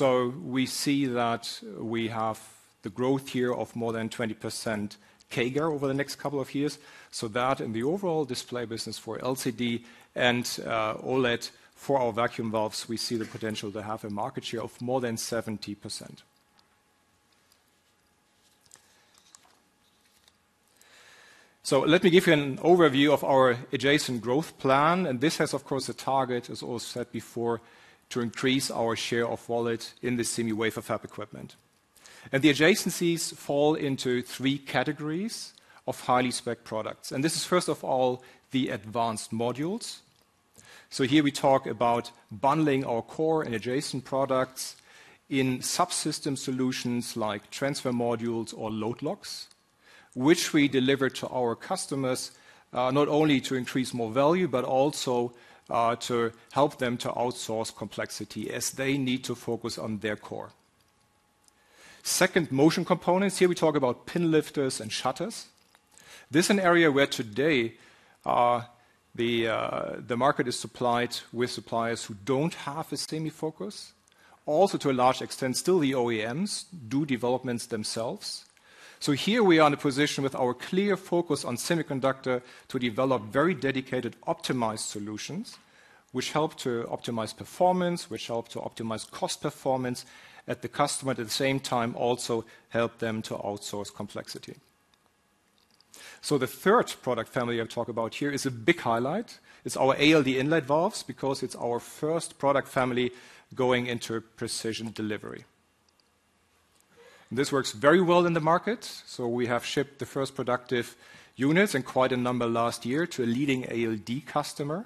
We see that we have the growth here of more than 20% CAGR over the next couple of years. In the overall display business for LCD and OLED for our vacuum valves, we see the potential to have a market share of more than 70%. Let me give you an overview of our adjacent growth plan, and this has, of course, a target, as I said before, to increase our share of wallet in the semi-wave of hub equipment. The adjacencies fall into three categories of highly spec products. This is, first of all, the advanced modules. Here we talk about bundling our core and adjacent products in subsystem solutions like transfer modules or load locks, which we deliver to our customers not only to increase more value, but also to help them to outsource complexity as they need to focus on their core. Second, motion components. Here we talk ab`out pin lifters and shutters. This is an area where today the market is supplied with suppliers who do not have a semi-focus. Also, to a large extent, still the OEMs do developments themselves. Here we are in a position with our clear focus on semiconductor to develop very dedicated optimized solutions, which help to optimize performance, which help to optimize cost performance at the customer, at the same time also help them to outsource complexity. The third product family I will talk about here is a big highlight. It is our ALD Inlet Valves because it is our first product family going into precision delivery. This works very well in the market, so we have shipped the first productive units and quite a number last year to a leading ALD customer.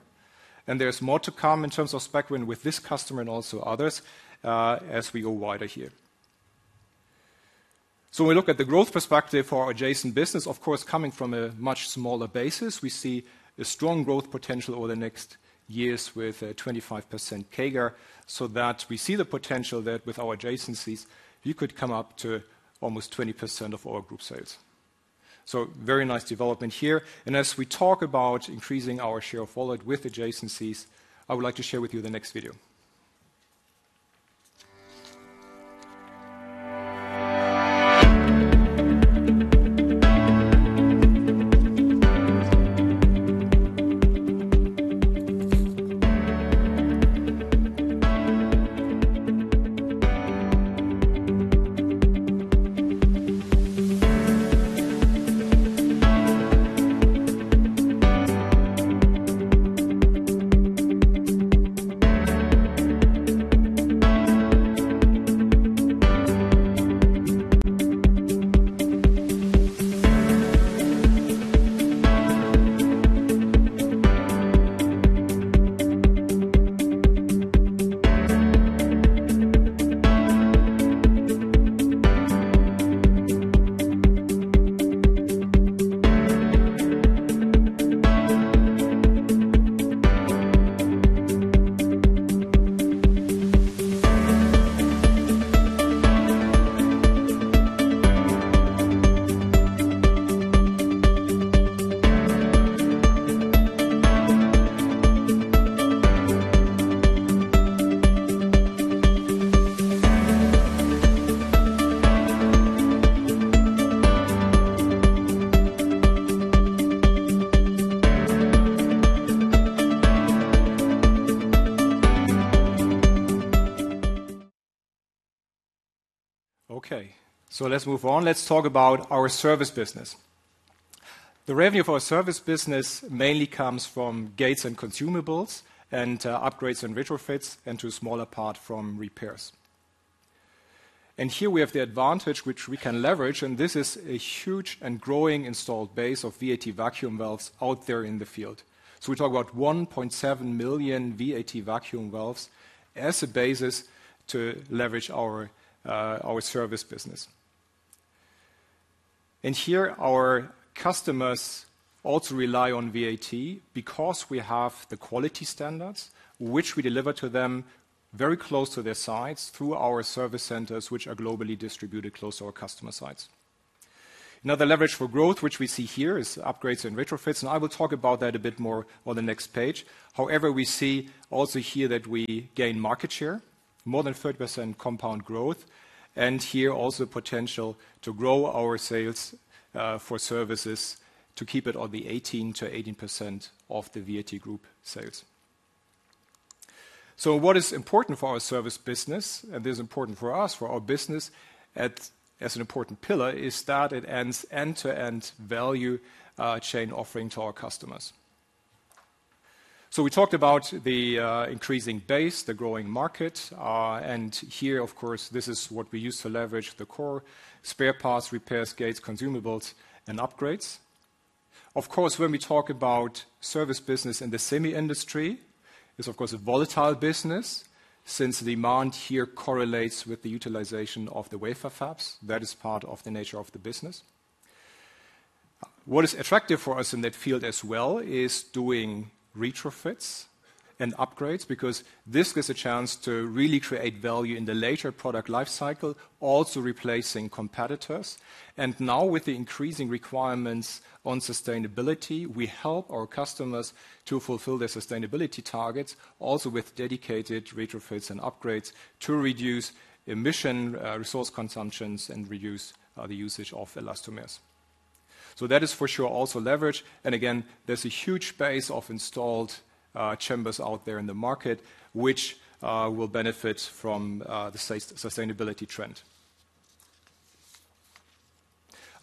There is more to come in terms of spec win with this customer and also others as we go wider here. When we look at the growth perspective for our adjacent business, of course, coming from a much smaller basis, we see a strong growth potential over the next years with a 25% CAGR, so that we see the potential that with our adjacencies, you could come up to almost 20% of our group sales. Very nice development here. As we talk about increasing our share of wallet with adjacencies, I would like to share with you the next video. Okay, let's move on. Let's talk about our service business. The revenue for our service business mainly comes from gates and consumables and upgrades and retrofits and to a smaller part from repairs. Here we have the advantage which we can leverage, and this is a huge and growing installed base of VAT vacuum valves out there in the field. We talk about 1.7 million VAT vacuum valves as a basis to leverage our service business. Here our customers also rely on VAT because we have the quality standards which we deliver to them very close to their sites through our service centers, which are globally distributed close to our customer sites. Another leverage for growth which we see here is upgrades and retrofits, and I will talk about that a bit more on the next page. However, we see also here that we gain market share, more than 30% compound growth, and here also potential to grow our sales for services to keep it on the 18%-18% of the VAT Group sales. What is important for our service business, and this is important for us, for our business as an important pillar, is that it ends end-to-end value chain offering to our customers. We talked about the increasing base, the growing market, and here, of course, this is what we use to leverage the core spare parts, repairs, gates, consumables, and upgrades. Of course, when we talk about service business in the semi-industry, it's a volatile business since the demand here correlates with the utilization of the wafer hubs. That is part of the nature of the business. What is attractive for us in that field as well is doing retrofits and upgrades because this gives a chance to really create value in the later product lifecycle, also replacing competitors. Now, with the increasing requirements on sustainability, we help our customers to fulfill their sustainability targets, also with dedicated retrofits and upgrades to reduce emission resource consumptions and reduce the usage of elastomers. That is for sure also leverage. There is a huge base of installed chambers out there in the market which will benefit from the sustainability trend.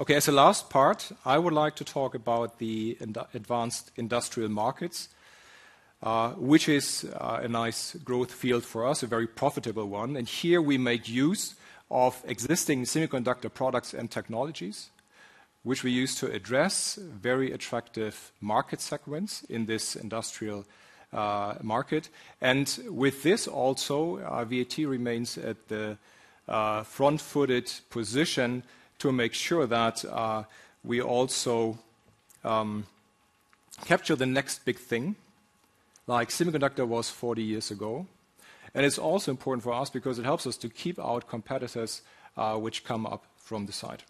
As a last part, I would like to talk about the advanced industrial markets, which is a nice growth field for us, a very profitable one. Here we make use of existing semiconductor products and technologies, which we use to address very attractive market segments in this industrial market. With this also, VAT remains at the front-footed position to make sure that we also capture the next big thing, like semiconductor was 40 years ago. It is also important for us because it helps us to keep out competitors which come up from the side.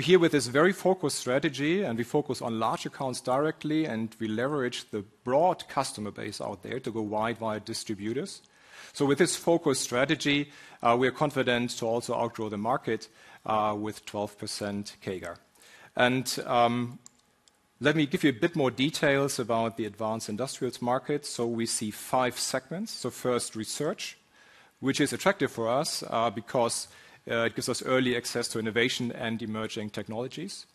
Here with this very focused strategy, we focus on large accounts directly, and we leverage the broad customer base out there to go wide, wide distributors. With this focused strategy, we are confident to also outgrow the market with 12% CAGR. Let me give you a bit more details about the advanced industrials market. We see five segments. First, research, which is attractive for us because it gives us early access to innovation and emerging technologies.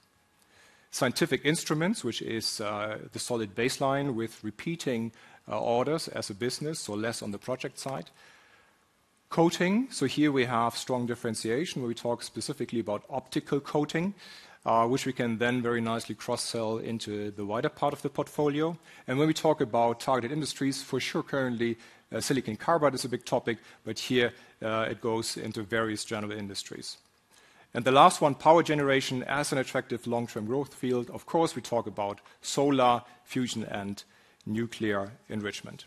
Scientific instruments, which is the solid baseline with repeating orders as a business, so less on the project side. Coating, here we have strong differentiation where we talk specifically about optical coating, which we can then very nicely cross-sell into the wider part of the portfolio. When we talk about targeted industries, for sure currently silicon carbon is a big topic, but here it goes into various general industries. The last one, power generation as an attractive long-term growth field. Of course, we talk about solar, fusion, and nuclear enrichment.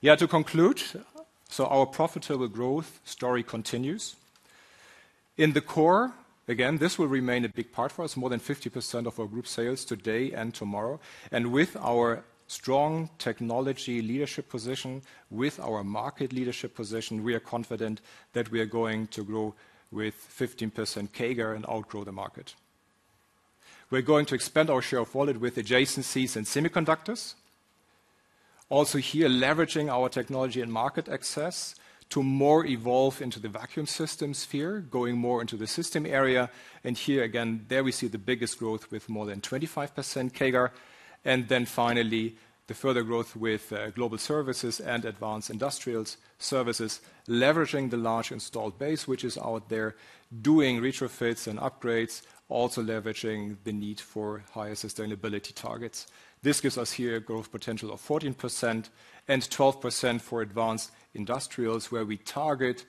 Yeah, to conclude, our profitable growth story continues. In the core, again, this will remain a big part for us, more than 50% of our group sales today and tomorrow. With our strong technology leadership position, with our market leadership position, we are confident that we are going to grow with 15% CAGR and outgrow the market. We are going to expand our share of wallet with adjacencies and semiconductors. Also here, leveraging our technology and market access to more evolve into the vacuum system sphere, going more into the system area. There we see the biggest growth with more than 25% CAGR. Finally, the further growth with global services and advanced industrials services, leveraging the large installed base, which is out there doing retrofits and upgrades, also leveraging the need for higher sustainability targets. This gives us here a growth potential of 14% and 12% for advanced industrials, where we target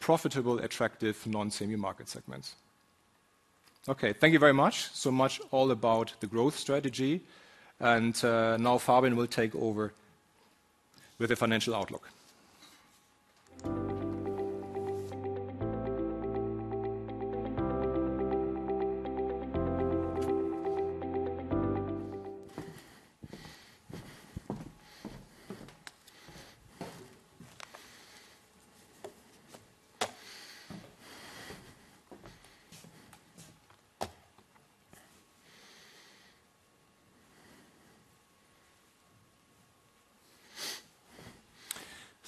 profitable, attractive non-semi-market segments. Thank you very much. That is all about the growth strategy. Now, Fabian will take over with a financial outlook.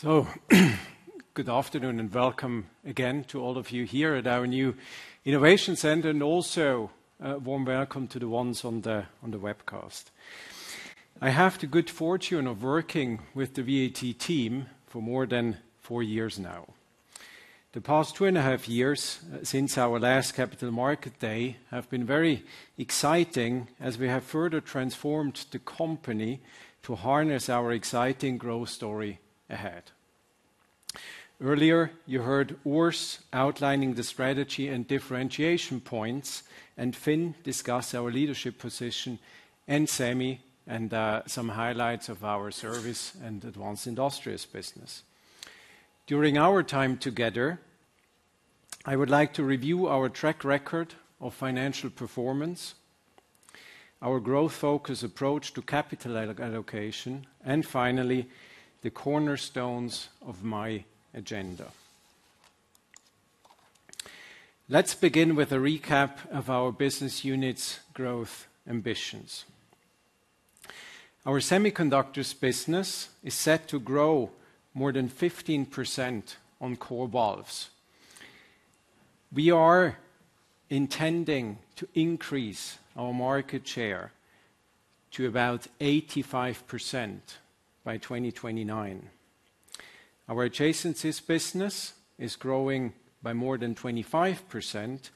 Good afternoon and welcome again to all of you here at our new innovation center, and also a warm welcome to the ones on the webcast. I have the good fortune of working with the VAT team for more than four years now. The past two and a half years since our last capital market day have been very exciting as we have further transformed the company to harness our exciting growth story ahead. Earlier, you heard Urs outlining the strategy and differentiation points, and Finn discussed our leadership position in semi and some highlights of our service and advanced industrials business. During our time together, I would like to review our track record of financial performance, our growth focus approach to capital allocation, and finally, the cornerstones of my agenda. Let's begin with a recap of our business unit's growth ambitions. Our semiconductors business is set to grow more than 15% on core valves. We are intending to increase our market share to about 85% by 2029. Our adjacencies business is growing by more than 25%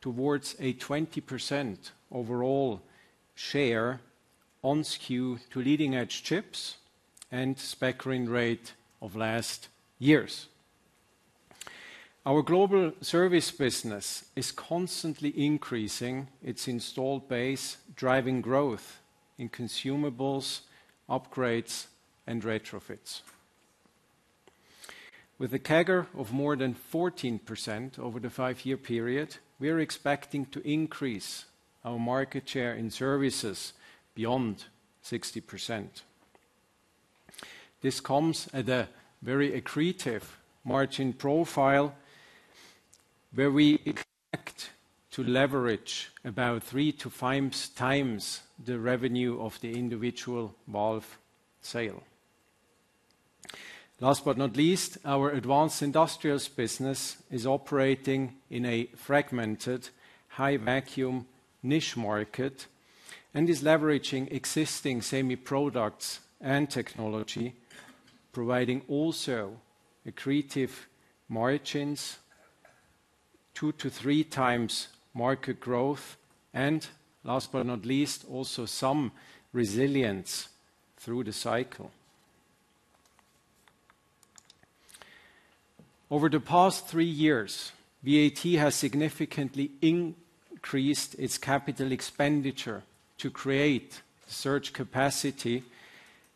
towards a 20% overall share on SKU to leading-edge chips and spec rate of last years. Our global service business is constantly increasing its installed base, driving growth in consumables, upgrades, and retrofits. With a CAGR of more than 14% over the five-year period, we are expecting to increase our market share in services beyond 60%. This comes at a very accretive margin profile where we expect to leverage about three to five times the revenue of the individual valve sale. Last but not least, our advanced industrials business is operating in a fragmented high-vacuum niche market and is leveraging existing semi-products and technology, providing also accretive margins, two to three times market growth, and last but not least, also some resilience through the cycle. Over the past three years, VAT has significantly increased its capital expenditure to create the surge capacity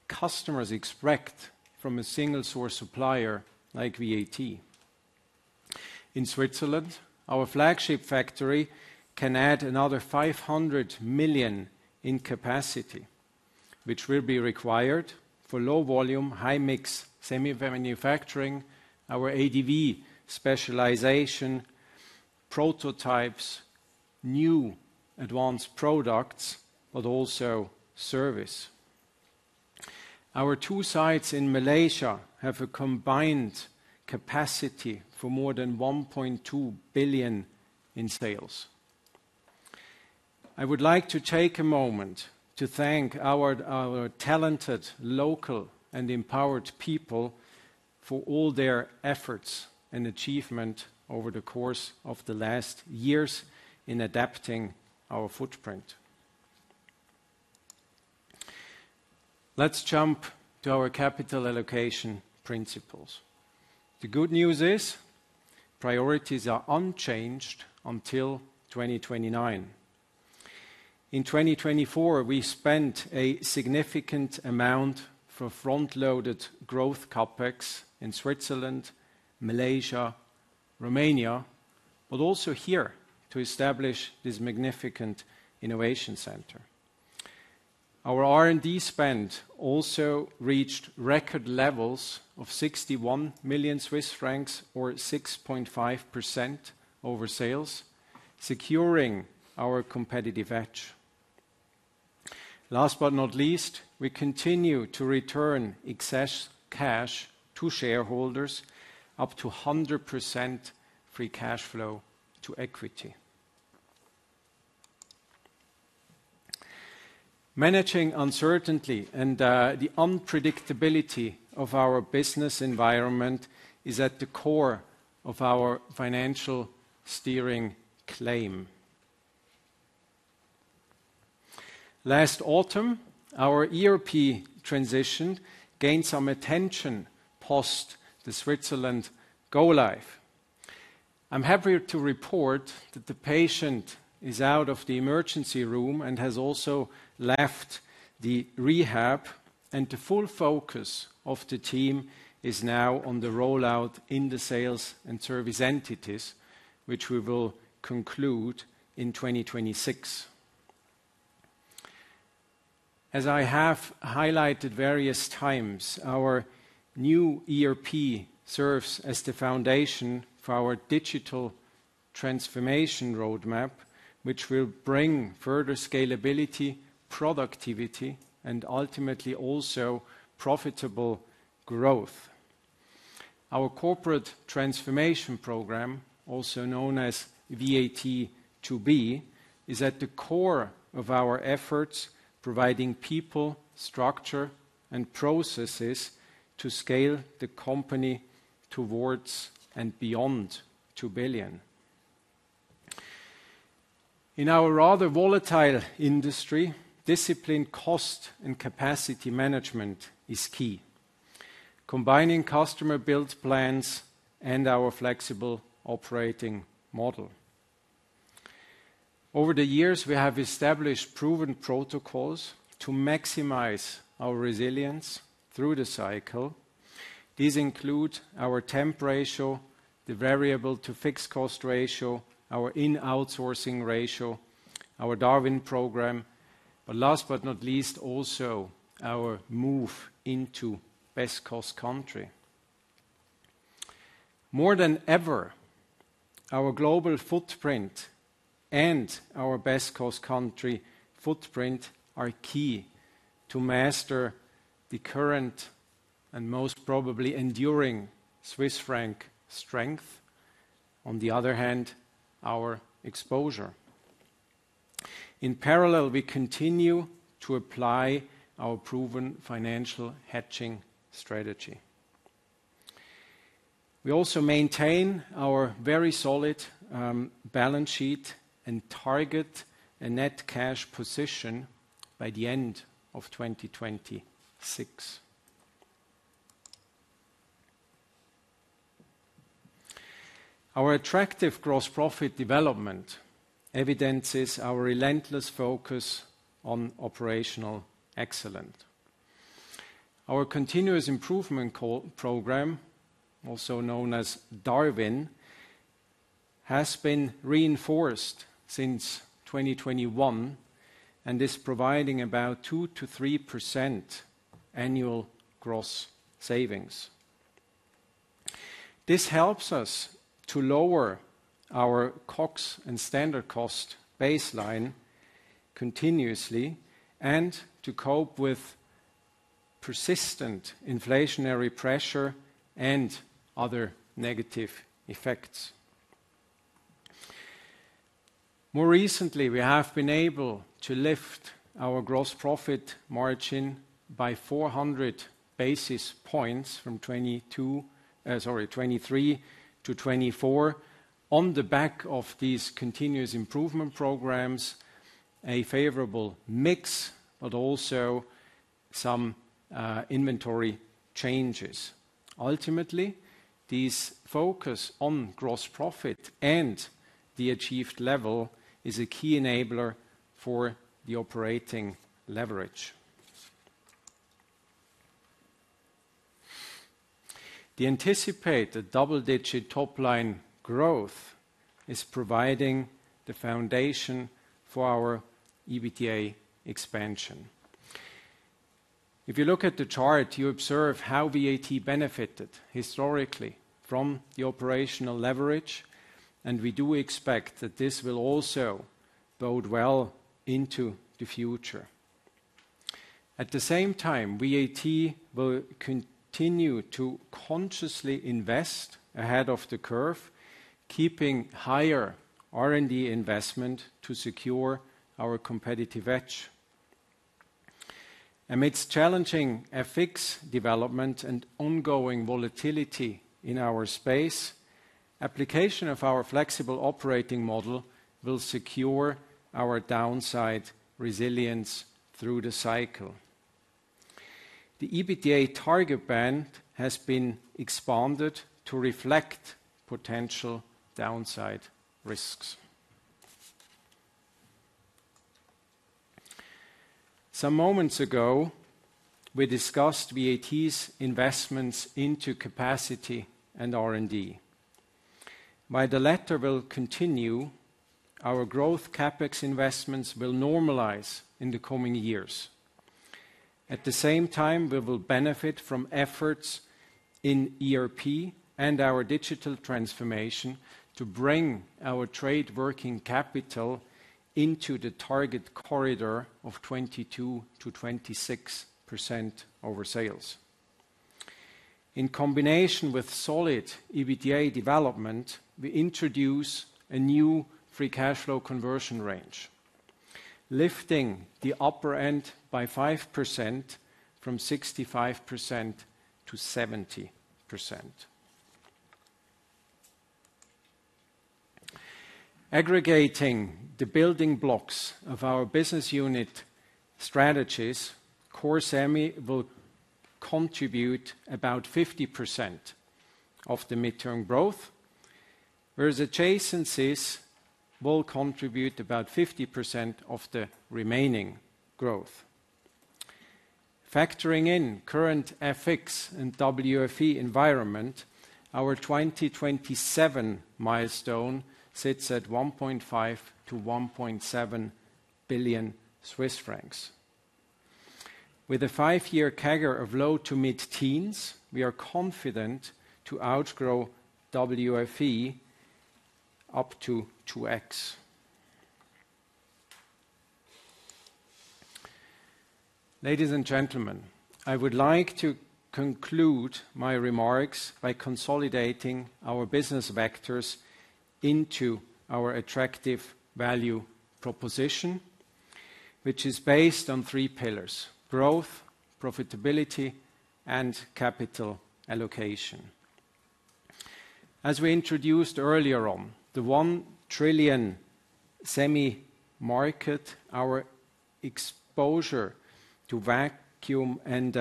customers expect from a single-source supplier like VAT. In Switzerland, our flagship factory can add another 500 million in capacity, which will be required for low-volume, high-mix semi-manufacturing, our ADV specialization, prototypes, new advanced products, but also service. Our two sites in Malaysia have a combined capacity for more than 1.2 billion in sales. I would like to take a moment to thank our talented, local, and empowered people for all their efforts and achievement over the course of the last years in adapting our footprint. Let's jump to our capital allocation principles. The good news is priorities are unchanged until 2029. In 2024, we spent a significant amount for front-loaded growth CapEx in Switzerland, Malaysia, Romania, but also here to establish this magnificent innovation center. Our R&D spend also reached record levels of 61 million Swiss francs, or 6.5% of sales, securing our competitive edge. Last but not least, we continue to return excess cash to shareholders, up to 100% free cash flow to equity. Managing uncertainty and the unpredictability of our business environment is at the core of our financial steering claim. Last autumn, our ERP transition gained some attention post the Switzerland go-live. I'm happy to report that the patient is out of the emergency room and has also left the rehab, and the full focus of the team is now on the rollout in the sales and service entities, which we will conclude in 2026. As I have highlighted various times, our new ERP serves as the foundation for our digital transformation roadmap, which will bring further scalability, productivity, and ultimately also profitable growth. Our corporate transformation program, also known as VAT2B, is at the core of our efforts, providing people, structure, and processes to scale the company towards and beyond 2 billion. In our rather volatile industry, disciplined cost and capacity management is key, combining customer-built plans and our flexible operating model. Over the years, we have established proven protocols to maximize our resilience through the cycle. These include our temp ratio, the variable-to-fixed-cost ratio, our in-outsourcing ratio, our Darwin program, but last but not least, also our move into best-cost country. More than ever, our global footprint and our best-cost country footprint are key to master the current and most probably enduring Swiss franc strength. On the other hand, our exposure. In parallel, we continue to apply our proven financial hedging strategy. We also maintain our very solid balance sheet and target a net cash position by the end of 2026. Our attractive gross profit development evidences our relentless focus on operational excellence. Our continuous improvement program, also known as Darwin, has been reinforced since 2021, and is providing about 2%-3% annual gross savings. This helps us to lower our cox and standard cost baseline continuously and to cope with persistent inflationary pressure and other negative effects. More recently, we have been able to lift our gross profit margin by 400 basis points from 22, sorry, 23 to 24 on the back of these continuous improvement programs, a favorable mix, but also some inventory changes. Ultimately, this focus on gross profit and the achieved level is a key enabler for the operating leverage. The anticipated double-digit top-line growth is providing the foundation for our EBITDA expansion. If you look at the chart, you observe how VAT benefited historically from the operational leverage, and we do expect that this will also bode well into the future. At the same time, VAT will continue to consciously invest ahead of the curve, keeping higher R&D investment to secure our competitive edge. Amidst challenging ethics development and ongoing volatility in our space, application of our flexible operating model will secure our downside resilience through the cycle. The EBITDA target band has been expanded to reflect potential downside risks. Some moments ago, we discussed VAT's investments into capacity and R&D. While the latter will continue, our growth CapEx investments will normalize in the coming years. At the same time, we will benefit from efforts in ERP and our digital transformation to bring our trade working capital into the target corridor of 22%-26% of sales. In combination with solid EBITDA development, we introduce a new free cash flow conversion range, lifting the upper end by 5% from 65%-70%. Aggregating the building blocks of our business unit strategies, core semi will contribute about 50% of the midterm growth, whereas adjacencies will contribute about 50% of the remaining growth. Factoring in current FX and WFE environment, our 2027 milestone sits at 1.5 billion-1.7 billion Swiss francs. With a five-year CAGR of low to mid-teens, we are confident to outgrow WFE up to 2x. Ladies and gentlemen, I would like to conclude my remarks by consolidating our business vectors into our attractive value proposition, which is based on three pillars: growth, profitability, and capital allocation. As we introduced earlier on, the $1 trillion semi market, our exposure to vacuum and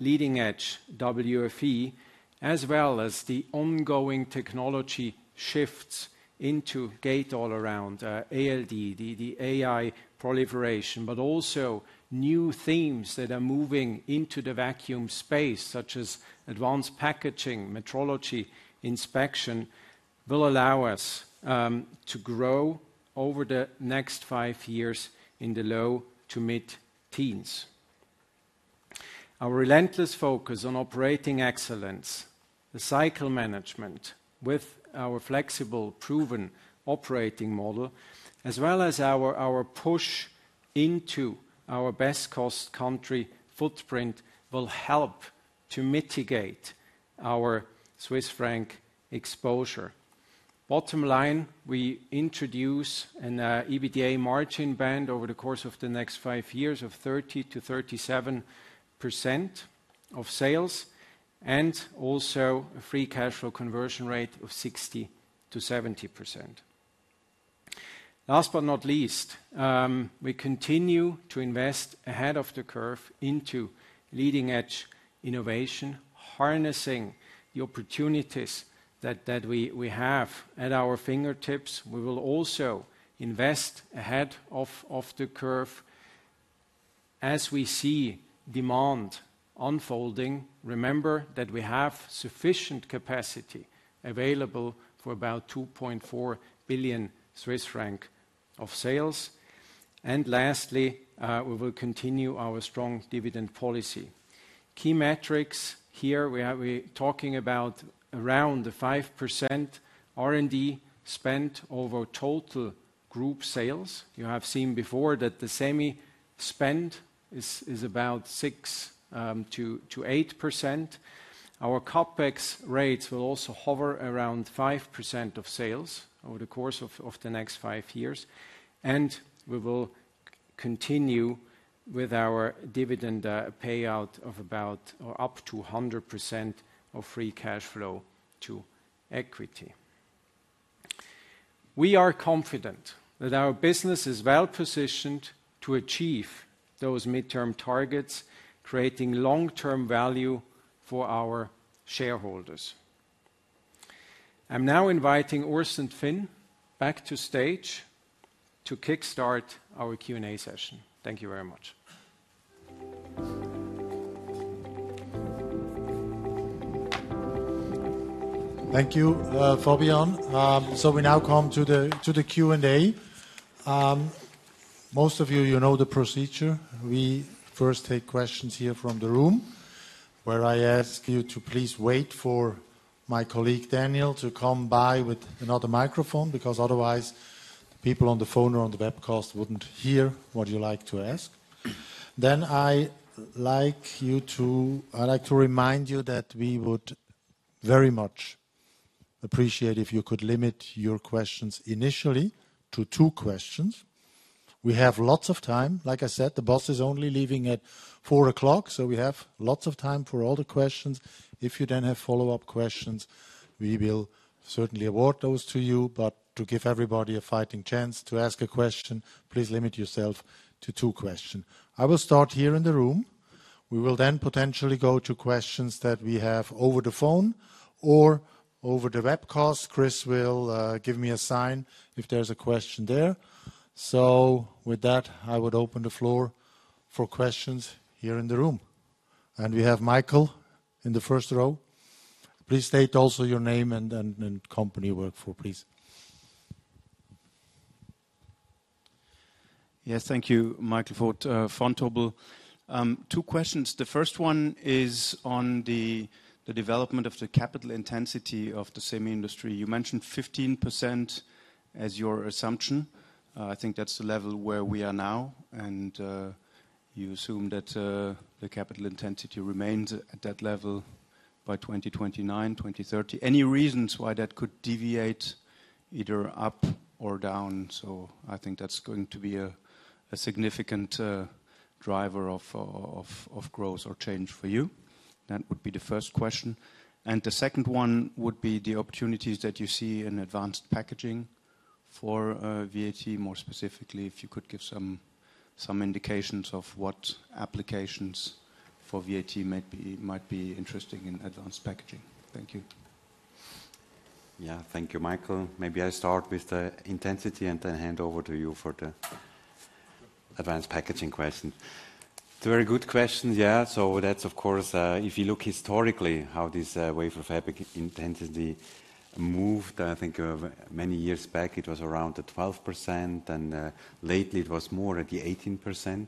leading-edge WFE, as well as the ongoing technology shifts into gate all around, ALD, the AI proliferation, but also new themes that are moving into the vacuum space, such as advanced packaging, metrology, inspection, will allow us to grow over the next five years in the low to mid-teens. Our relentless focus on operating excellence, the cycle management with our flexible proven operating model, as well as our push into our best-cost country footprint, will help to mitigate our Swiss franc exposure. Bottom line, we introduce an EBITDA margin band over the course of the next five years of 30%-37% of sales and also a free cash flow conversion rate of 60%-70%. Last but not least, we continue to invest ahead of the curve into leading-edge innovation, harnessing the opportunities that we have at our fingertips. We will also invest ahead of the curve as we see demand unfolding. Remember that we have sufficient capacity available for about 2.4 billion Swiss franc of sales. Lastly, we will continue our strong dividend policy. Key metrics here, we are talking about around the 5% R&D spent over total group sales. You have seen before that the semi spend is about 6%-8%. Our CapEx rates will also hover around 5% of sales over the course of the next five years, and we will continue with our dividend payout of about or up to 100% of free cash flow to equity. We are confident that our business is well positioned to achieve those midterm targets, creating long-term value for our shareholders. I'm now inviting Urs and Finn back to stage to kickstart our Q&A session. Thank you very much. Thank you, Fabian. We now come to the Q&A. Most of you, you know the procedure. We first take questions here from the room, where I ask you to please wait for my colleague Daniel to come by with another microphone, because otherwise the people on the phone or on the webcast would not hear what you would like to ask. I'd like to remind you that we would very much appreciate if you could limit your questions initially to two questions. We have lots of time. Like I said, the bus is only leaving at 4:00 P.M., so we have lots of time for all the questions. If you then have follow-up questions, we will certainly award those to you, but to give everybody a fighting chance to ask a question, please limit yourself to two questions. I will start here in the room. We will then potentially go to questions that we have over the phone or over the webcast. Chris will give me a sign if there's a question there. With that, I would open the floor for questions here in the room. We have Michael in the first row. Please state also your name and company you work for, please. Yes, thank you, Michael Foeth of Vontobel. Two questions. The first one is on the development of the capital intensity of the semi industry. You mentioned 15% as your assumption. I think that's the level where we are now, and you assume that the capital intensity remains at that level by 2029, 2030. Any reasons why that could deviate either up or down? I think that's going to be a significant driver of growth or change for you. That would be the first question. The second one would be the opportunities that you see in advanced packaging for VAT, more specifically, if you could give some indications of what applications for VAT might be interesting in advanced packaging. Thank you. Yeah, thank you, Michael. Maybe I start with the intensity and then hand over to you for the advanced packaging question. It's a very good question, yeah. That's, of course, if you look historically how this wave of epic intensity moved, I think many years back it was around the 12%, and lately it was more at the 18%.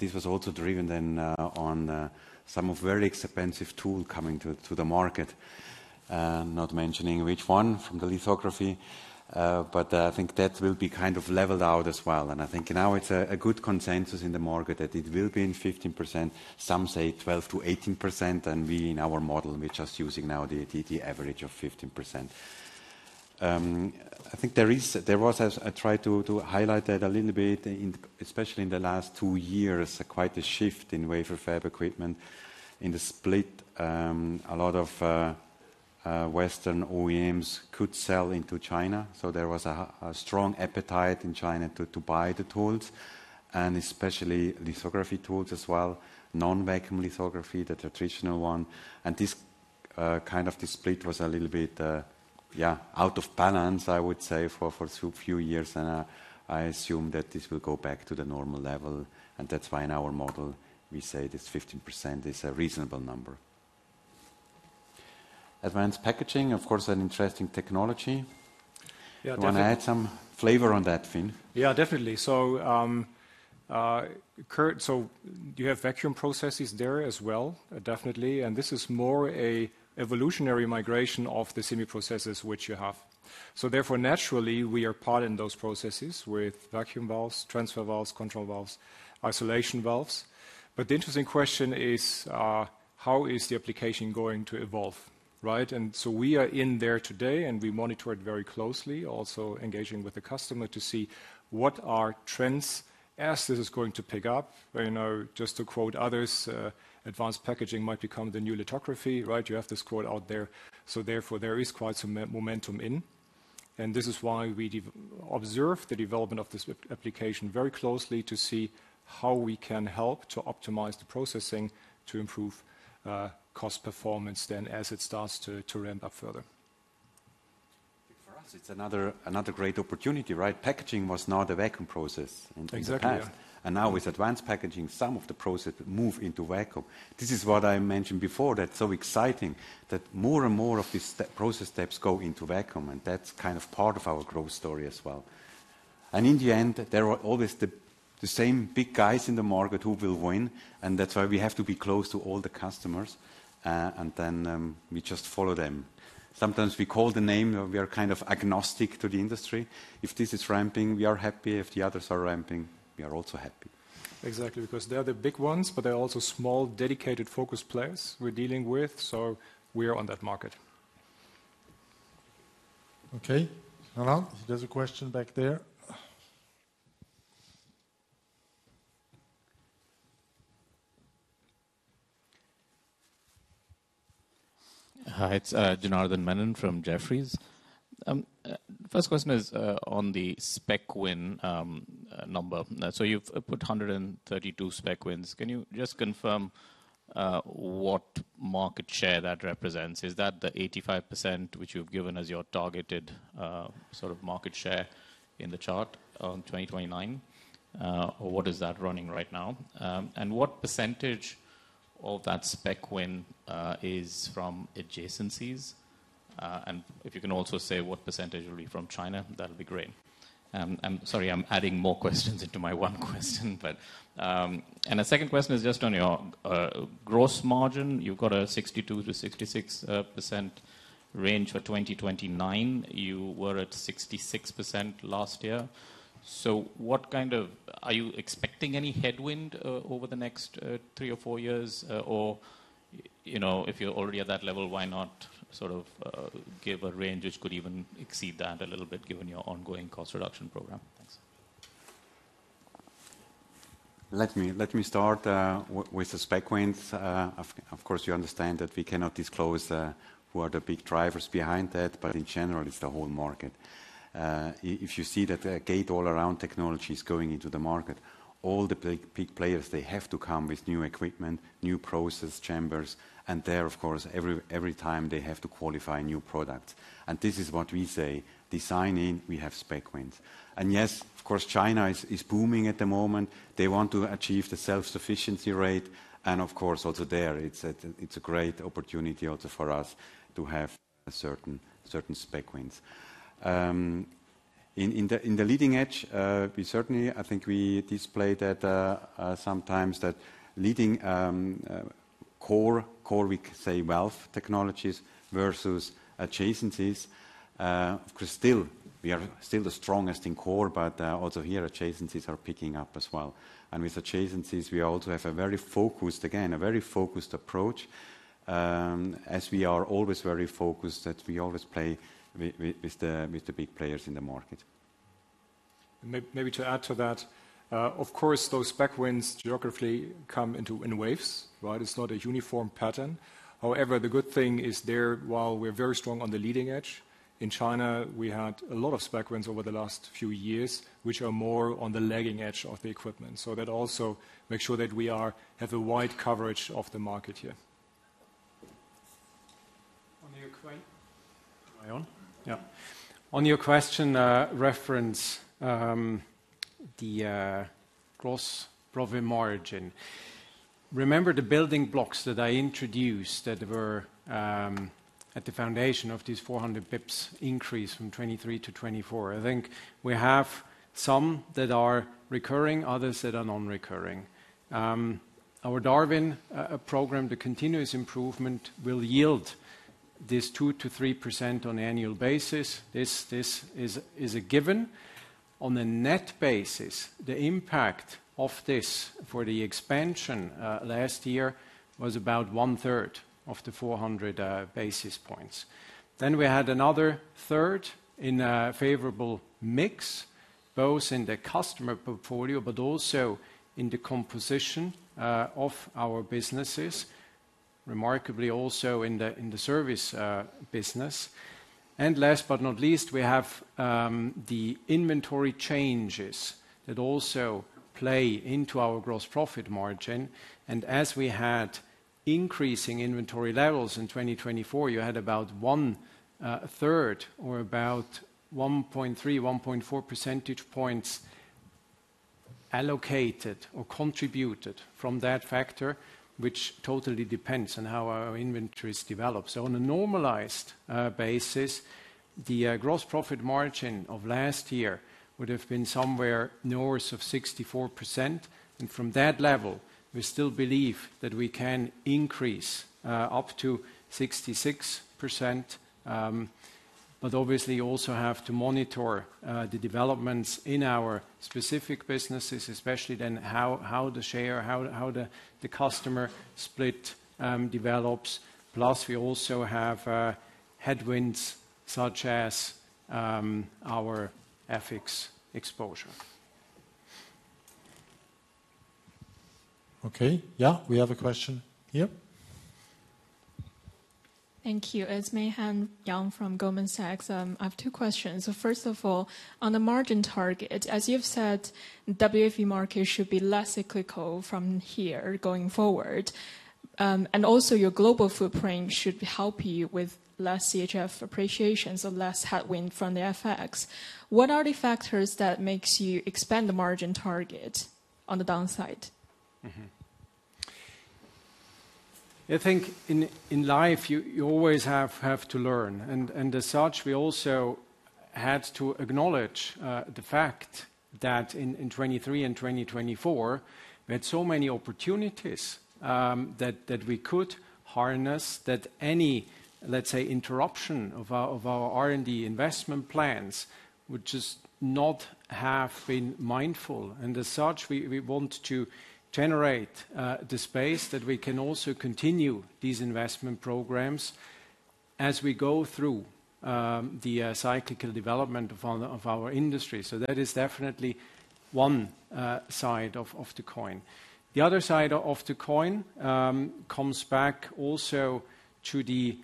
This was also driven then on some of very expensive tools coming to the market, not mentioning which one from the lithography, but I think that will be kind of leveled out as well. I think now it's a good consensus in the market that it will be in 15%. Some say 12%-18%, and we in our model, we're just using now the average of 15%. I think there was, I tried to highlight that a little bit, especially in the last two years, quite a shift in wafer fab equipment. In the split, a lot of Western OEMs could sell into China, so there was a strong appetite in China to buy the tools, and especially lithography tools as well, non-vacuum lithography, the traditional one. This kind of split was a little bit, yeah, out of balance, I would say, for a few years, and I assume that this will go back to the normal level. That is why in our model we say this 15% is a reasonable number. Advanced packaging, of course, an interesting technology. Do you want to add some flavor on that, Finn? Yeah, definitely. Urs, you have vacuum processes there as well, definitely. This is more an evolutionary migration of the semi processes which you have. Therefore, naturally, we are part in those processes with vacuum valves, transfer valves, control valves, isolation valves. The interesting question is, how is the application going to evolve, right? We are in there today, and we monitor it very closely, also engaging with the customer to see what are trends as this is going to pick up. Just to quote others, advanced packaging might become the new lithography, right? You have this quote out there. Therefore, there is quite some momentum in. This is why we observe the development of this application very closely to see how we can help to optimize the processing to improve cost performance then as it starts to ramp up further. For us, it is another great opportunity, right? Packaging was not a vacuum process. Exactly. Now with advanced packaging, some of the processes move into vacuum. This is what I mentioned before, that's so exciting that more and more of these process steps go into vacuum, and that's kind of part of our growth story as well. In the end, there are always the same big guys in the market who will win, and that's why we have to be close to all the customers, and then we just follow them. Sometimes we call the name, we are kind of agnostic to the industry. If this is ramping, we are happy. If the others are ramping, we are also happy. Exactly, because they are the big ones, but there are also small dedicated focus players we're dealing with, so we are on that market. Okay, there's a question back there. Hi, it's Janardan Menon from Jefferies. First question is on the spec win number. You have put 132 spec wins. Can you just confirm what market share that represents? Is that the 85% which you've given as your targeted sort of market share in the chart on 2029, or what is that running right now? What percentage of that spec win is from adjacencies? If you can also say what percentage will be from China, that would be great. I'm sorry, I'm adding more questions into my one question, but. The second question is just on your gross margin. You've got a 62%-66% range for 2029. You were at 66% last year. What kind of, are you expecting any headwind over the next three or four years, or if you're already at that level, why not sort of give a range which could even exceed that a little bit given your ongoing cost reduction program? Let me start with the spec wins. Of course, you understand that we cannot disclose who are the big drivers behind that, but in general, it is the whole market. If you see that the Gate-All-Around technology is going into the market, all the big players, they have to come with new equipment, new process chambers, and there, of course, every time they have to qualify new products. This is what we say, design in, we have spec wins. Yes, of course, China is booming at the moment. They want to achieve the self-sufficiency rate, and of course, also there, it is a great opportunity also for us to have certain spec wins. In the leading edge, we certainly, I think we displayed that sometimes that leading core, we say wealth technologies versus adjacencies. Of course, still, we are still the strongest in core, but also here, adjacencies are picking up as well. With adjacencies, we also have a very focused, again, a very focused approach, as we are always very focused that we always play with the big players in the market. Maybe to add to that, of course, those spec wins geographically come in waves, right? It is not a uniform pattern. However, the good thing is there, while we are very strong on the leading edge, in China, we had a lot of spec wins over the last few years, which are more on the lagging edge of the equipment. That also makes sure that we have a wide coverage of the market here. On your question reference the gross broad margin. Remember the building blocks that I introduced that were at the foundation of this 400 basis points increase from 2023 to 2024. I think we have some that are recurring, others that are non-recurring. Our Darwin program, the continuous improvement, will yield this 2%-3% on an annual basis. This is a given. On a net basis, the impact of this for the expansion last year was about one-third of the 400 basis points. We had another third in a favorable mix, both in the customer portfolio, but also in the composition of our businesses, remarkably also in the service business. Last but not least, we have the inventory changes that also play into our gross profit margin. As we had increasing inventory levels in 2024, you had about one-third or about 1.3%-1.4% points allocated or contributed from that factor, which totally depends on how our inventories develop. On a normalized basis, the gross profit margin of last year would have been somewhere north of 64%. From that level, we still believe that we can increase up to 66%, but obviously also have to monitor the developments in our specific businesses, especially then how the share, how the customer split develops. Plus, we also have headwinds such as our FX exposure. Okay, yeah, we have a question here. Thank you. It's Meihan Yang from Goldman Sachs. I have two questions. First of all, on the margin target, as you've said, the WFE market should be less cyclical from here going forward. Also, your global footprint should help you with less CHF appreciation or less headwind from the FX. What are the factors that make you expand the margin target on the downside? I think in life, you always have to learn. As such, we also had to acknowledge the fact that in 2023 and 2024, we had so many opportunities that we could harness that any, let's say, interruption of our R&D investment plans would just not have been mindful. As such, we want to generate the space that we can also continue these investment programs as we go through the cyclical development of our industry. That is definitely one side of the coin. The other side of the coin comes back also to the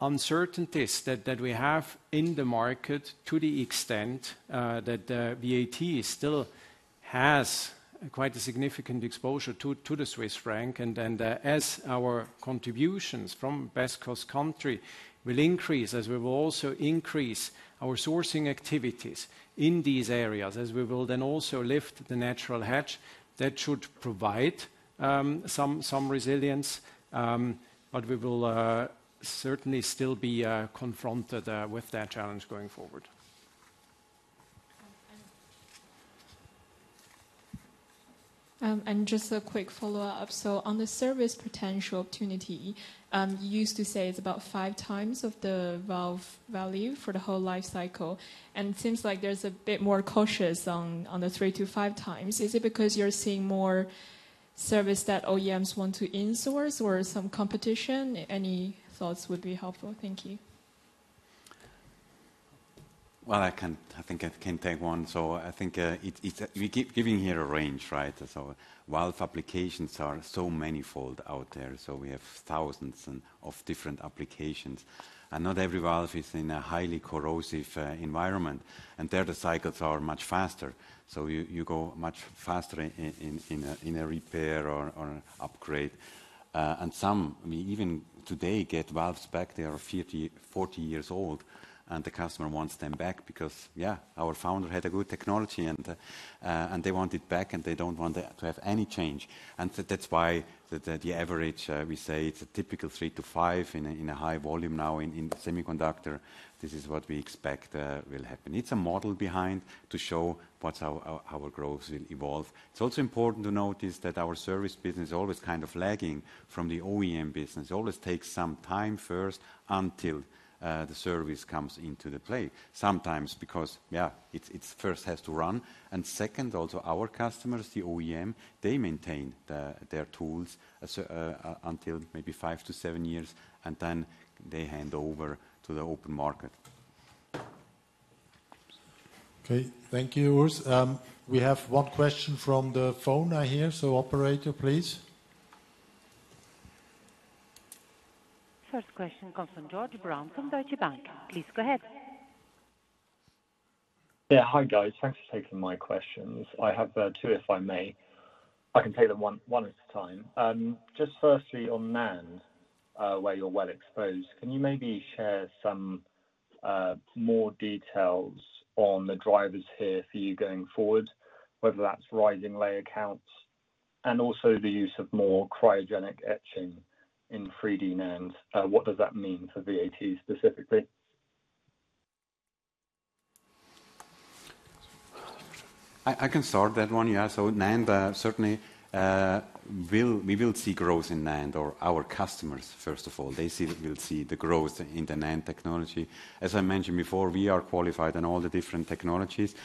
uncertainties that we have in the market to the extent that VAT still has quite a significant exposure to the Swiss franc, and then as our contributions from best cost country will increase, as we will also increase our sourcing activities in these areas, as we will then also lift the natural hedge that should provide some resilience, but we will certainly still be confronted with that challenge going forward. Just a quick follow-up. On the service potential opportunity, you used to say it's about five times of the value for the whole life cycle. It seems like there's a bit more cautious on the three to five times. Is it because you're seeing more service that OEMs want to insource or some competition? Any thoughts would be helpful? Thank you. I think I can take one. I think we're giving here a range, right? Valve applications are so many-fold out there. We have thousands of different applications. Not every valve is in a highly corrosive environment. There the cycles are much faster. You go much faster in a repair or an upgrade. Some, even today, get valves back. They are 40 years old, and the customer wants them back because, yeah, our founder had a good technology, and they want it back, and they don't want to have any change. That's why the average, we say it's a typical three to five in a high volume now in semiconductor. This is what we expect will happen. It's a model behind to show what our growth will evolve. It's also important to notice that our service business is always kind of lagging from the OEM business. It always takes some time first until the service comes into the play. Sometimes because, yeah, it first has to run. And second, also our customers, the OEM, they maintain their tools until maybe five to seven years, and then they hand over to the open market. Okay, thank you, Urs. We have one question from the phone, I hear. Operator, please. First question comes from George Brown from Deutsche Bank. Please go ahead. Yeah, hi guys. Thanks for taking my questions. I have two, if I may. I can take them one at a time. Just firstly on NAND, where you're well exposed, can you maybe share some more details on the drivers here for you going forward, whether that's rising layer counts and also the use of more cryogenic etching in 3D NAND? What does that mean for VAT specifically? I can start that one, yeah. So NAND, certainly, we will see growth in NAND or our customers, first of all. They will see the growth in the NAND technology. As I mentioned before, we are qualified in all the different technologies.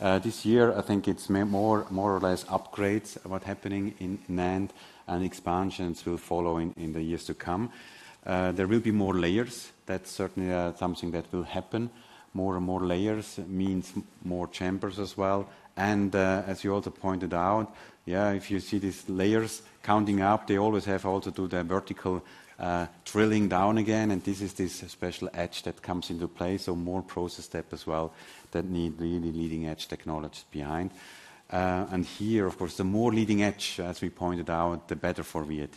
This year, I think it's more or less upgrades what's happening in NAND, and expansions will follow in the years to come. There will be more layers. That's certainly something that will happen. More and more layers means more chambers as well. As you also pointed out, yeah, if you see these layers counting up, they always have also to the vertical drilling down again, and this is this special edge that comes into play. More process step as well that need leading edge technologies behind. Here, of course, the more leading edge, as we pointed out, the better for VAT.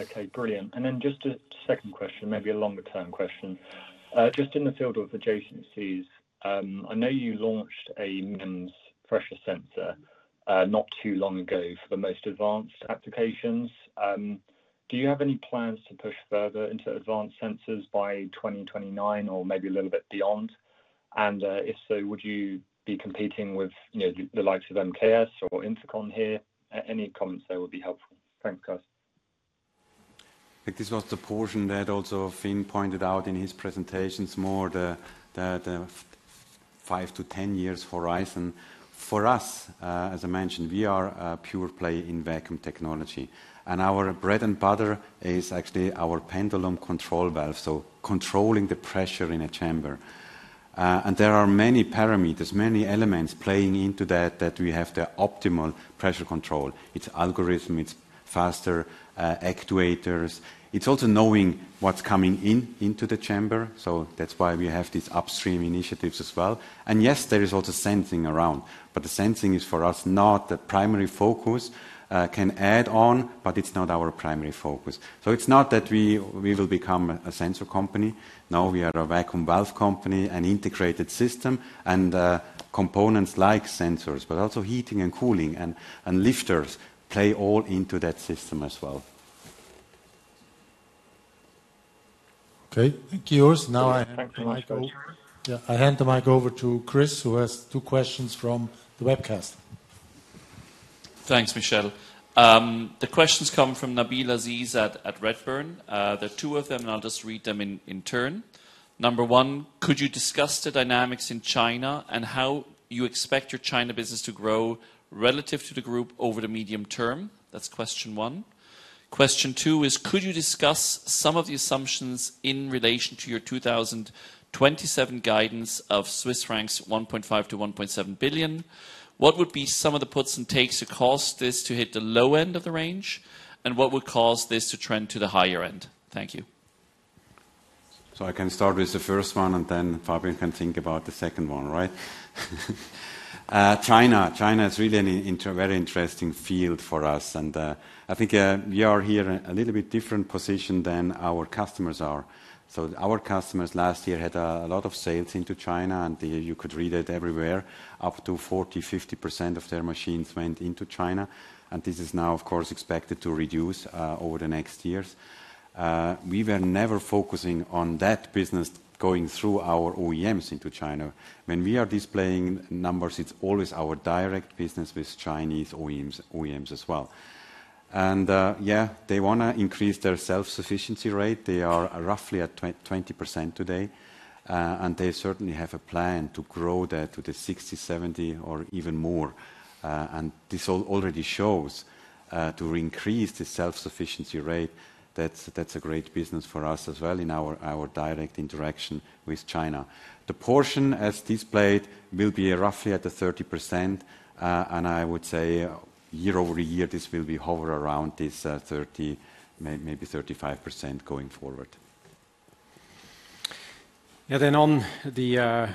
Okay, brilliant. Just a second question, maybe a longer-term question. Just in the field of adjacencies, I know you launched a MEMS pressure sensor not too long ago for the most advanced applications. Do you have any plans to push further into advanced sensors by 2029 or maybe a little bit beyond? If so, would you be competing with the likes of MKS or Inficon here? Any comments there would be helpful. Thanks, guys. This was the portion that also Finn pointed out in his presentations, more the five to ten years horizon. For us, as I mentioned, we are a pure play in vacuum technology. And our bread and butter is actually our pendulum control valve, so controlling the pressure in a chamber. There are many parameters, many elements playing into that, that we have the optimal pressure control. It's algorithm, it's faster actuators. It's also knowing what's coming into the chamber. That's why we have these upstream initiatives as well. Yes, there is also sensing around, but the sensing is for us not the primary focus. Can add on, but it's not our primary focus. It's not that we will become a sensor company. Now we are a vacuum valve company, an integrated system, and components like sensors, but also heating and cooling and lifters play all into that system as well. Okay, thank you, Urs. Now I hand the mic over to Chris, who has two questions from the webcast. Thanks, Michel. The questions come from Nabil Aziz at Redburn. There are two of them, and I'll just read them in turn. Number one, could you discuss the dynamics in China and how you expect your China business to grow relative to the group over the medium term? That's question one. Question two is, could you discuss some of the assumptions in relation to your 2027 guidance of Swiss francs 1.5-1.7 billion? What would be some of the puts and takes to cause this to hit the low end of the range? What would cause this to trend to the higher end? Thank you. I can start with the first one, and then Fabian can think about the second one, right? China. China is really a very interesting field for us. I think we are here in a little bit different position than our customers are. Our customers last year had a lot of sales into China, and you could read it everywhere. Up to 40%-50% of their machines went into China. This is now, of course, expected to reduce over the next years. We were never focusing on that business going through our OEMs into China. When we are displaying numbers, it is always our direct business with Chinese OEMs as well. They want to increase their self-sufficiency rate. They are roughly at 20% today. They certainly have a plan to grow that to the 60%, 70%, or even more. This already shows to increase the self-sufficiency rate. That is a great business for us as well in our direct interaction with China. The portion as displayed will be roughly at the 30%. I would say year over year, this will hover around this 30%, maybe 35% going forward. On the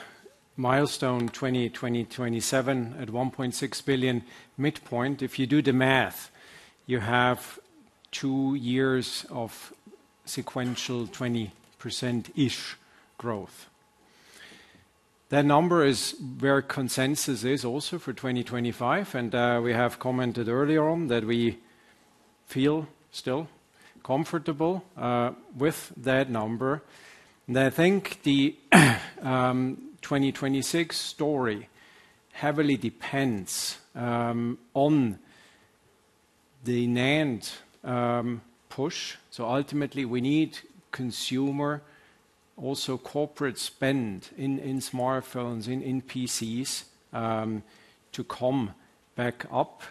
milestone 2027 at 1.6 billion midpoint, if you do the math, you have two years of sequential 20%-ish growth. That number is where consensus is also for 2025. We have commented earlier on that we feel still comfortable with that number. I think the 2026 story heavily depends on the NAND push. Ultimately, we need consumer, also corporate spend in smartphones, in PCs to come back up.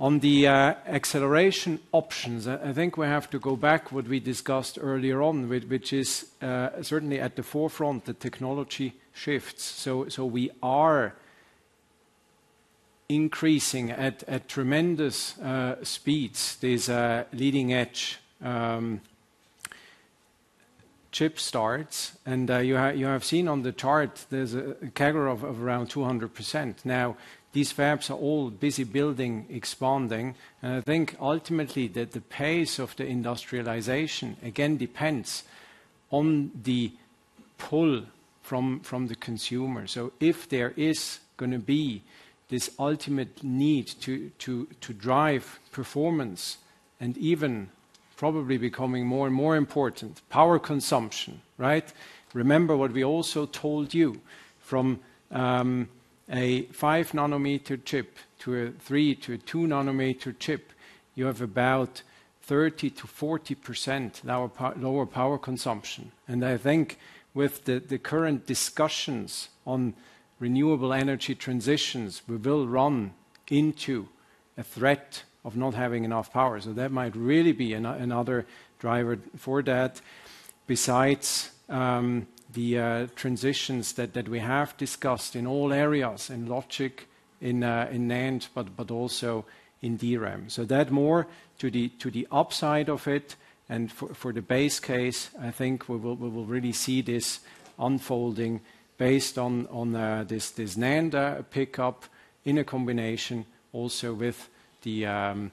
On the acceleration options, I think we have to go back to what we discussed earlier on, which is certainly at the forefront, the technology shifts. We are increasing at tremendous speeds. These leading edge chip starts. You have seen on the chart, there's a CAGR of around 200%. These fabs are all busy building, expanding. I think ultimately that the pace of the industrialization again depends on the pull from the consumer. If there is going to be this ultimate need to drive performance and even probably becoming more and more important, power consumption, right? Remember what we also told you from a 5-nanometer chip to a 3 to a 2-nanometer chip, you have about 30%-40% lower power consumption. I think with the current discussions on renewable energy transitions, we will run into a threat of not having enough power. That might really be another driver for that besides the transitions that we have discussed in all areas in logic, in NAND, but also in DRAM. That is more to the upside of it. For the base case, I think we will really see this unfolding based on this NAND pickup in a combination also with the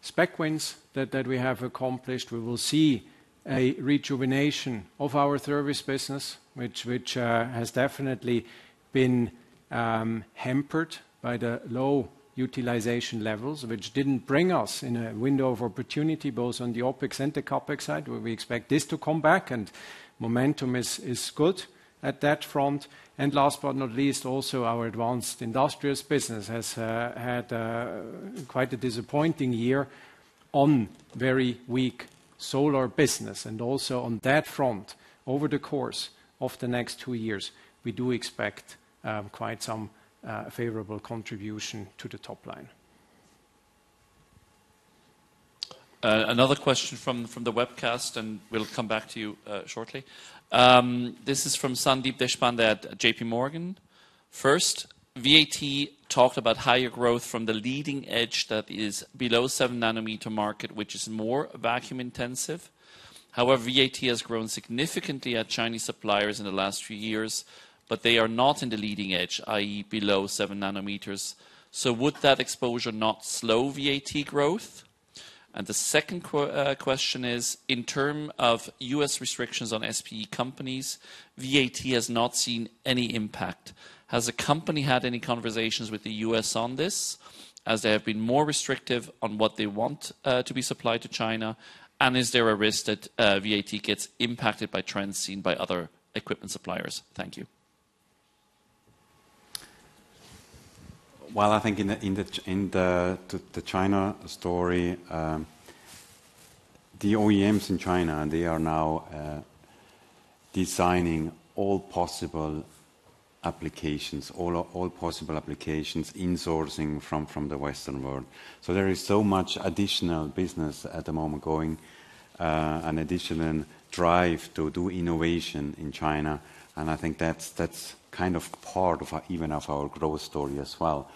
spec wins that we have accomplished. We will see a rejuvenation of our service business, which has definitely been hampered by the low utilization levels, which did not bring us in a window of opportunity both on the OpEx and the CapEx side, where we expect this to come back. Momentum is good at that front. Last but not least, also our advanced industrial business has had quite a disappointing year on very weak solar business. Also on that front, over the course of the next two years, we do expect quite some favorable contribution to the top line. Another question from the webcast, and we'll come back to you shortly. This is from Sandeep Deshpande at JP Morgan. First, VAT talked about higher growth from the leading edge that is below 7-nanometer market, which is more vacuum intensive. However, VAT has grown significantly at Chinese suppliers in the last few years, but they are not in the leading edge, i.e., below 7-nanometers. Would that exposure not slow VAT growth? The second question is, in terms of U.S. restrictions on SPE companies, VAT has not seen any impact. Has the company had any conversations with the U.S. on this, as they have been more restrictive on what they want to be supplied to China? Is there a risk that VAT gets impacted by trends seen by other equipment suppliers? Thank you. I think in the China story, the OEMs in China are now designing all possible applications, all possible applications in sourcing from the Western world. There is so much additional business at the moment going, an additional drive to do innovation in China. I think that is kind of part of even our growth story as well.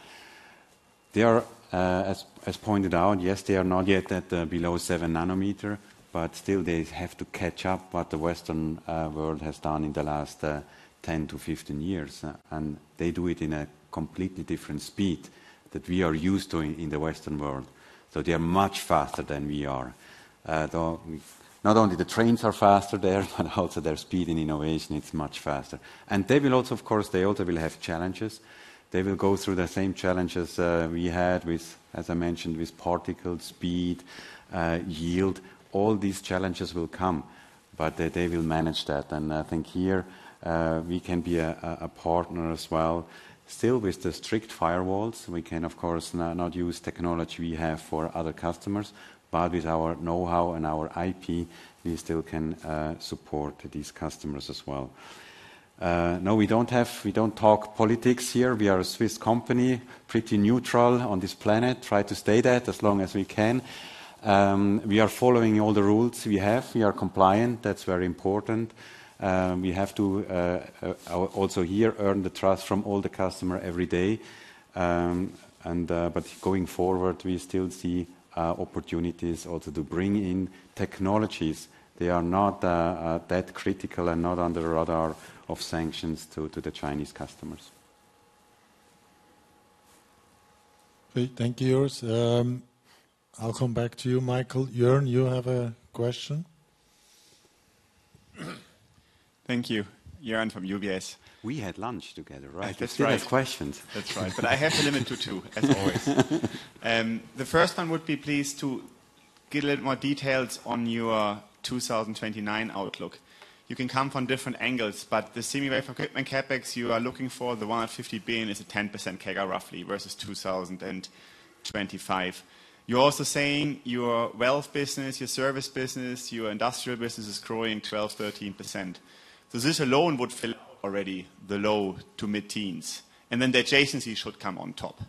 They are, as pointed out, yes, they are not yet at below 7-nanometer, but still they have to catch up with what the Western world has done in the last 10 to 15 years. They do it at a completely different speed than we are used to in the Western world. They are much faster than we are. Not only the trains are faster there, but also their speed in innovation, it's much faster. They will also, of course, have challenges. They will go through the same challenges we had with, as I mentioned, with particle speed, yield. All these challenges will come, but they will manage that. I think here we can be a partner as well. Still with the strict firewalls, we can, of course, not use technology we have for other customers, but with our know-how and our IP, we still can support these customers as well. No, we don't talk politics here. We are a Swiss company, pretty neutral on this planet, try to stay that as long as we can. We are following all the rules we have. We are compliant. That's very important. We have to also here earn the trust from all the customers every day. Going forward, we still see opportunities also to bring in technologies. They are not that critical and not under the radar of sanctions to the Chinese customers. Thank you, Urs. I'll come back to you, Michael. Jørn, you have a question? Thank you. Jørn from UBS. We had lunch together, right? That's right. I have questions. That's right. But I have to limit to two, as always. The first one would be pleased to get a little more details on your 2029 outlook. You can come from different angles, but the semi-wave equipment CapEx you are looking for, the $150 billion is a 10% CAGR roughly versus 2025. You're also saying your wealth business, your service business, your industrial business is growing 12%, 13%. So this alone would fill out already the low to mid-teens. And then the adjacency should come on top.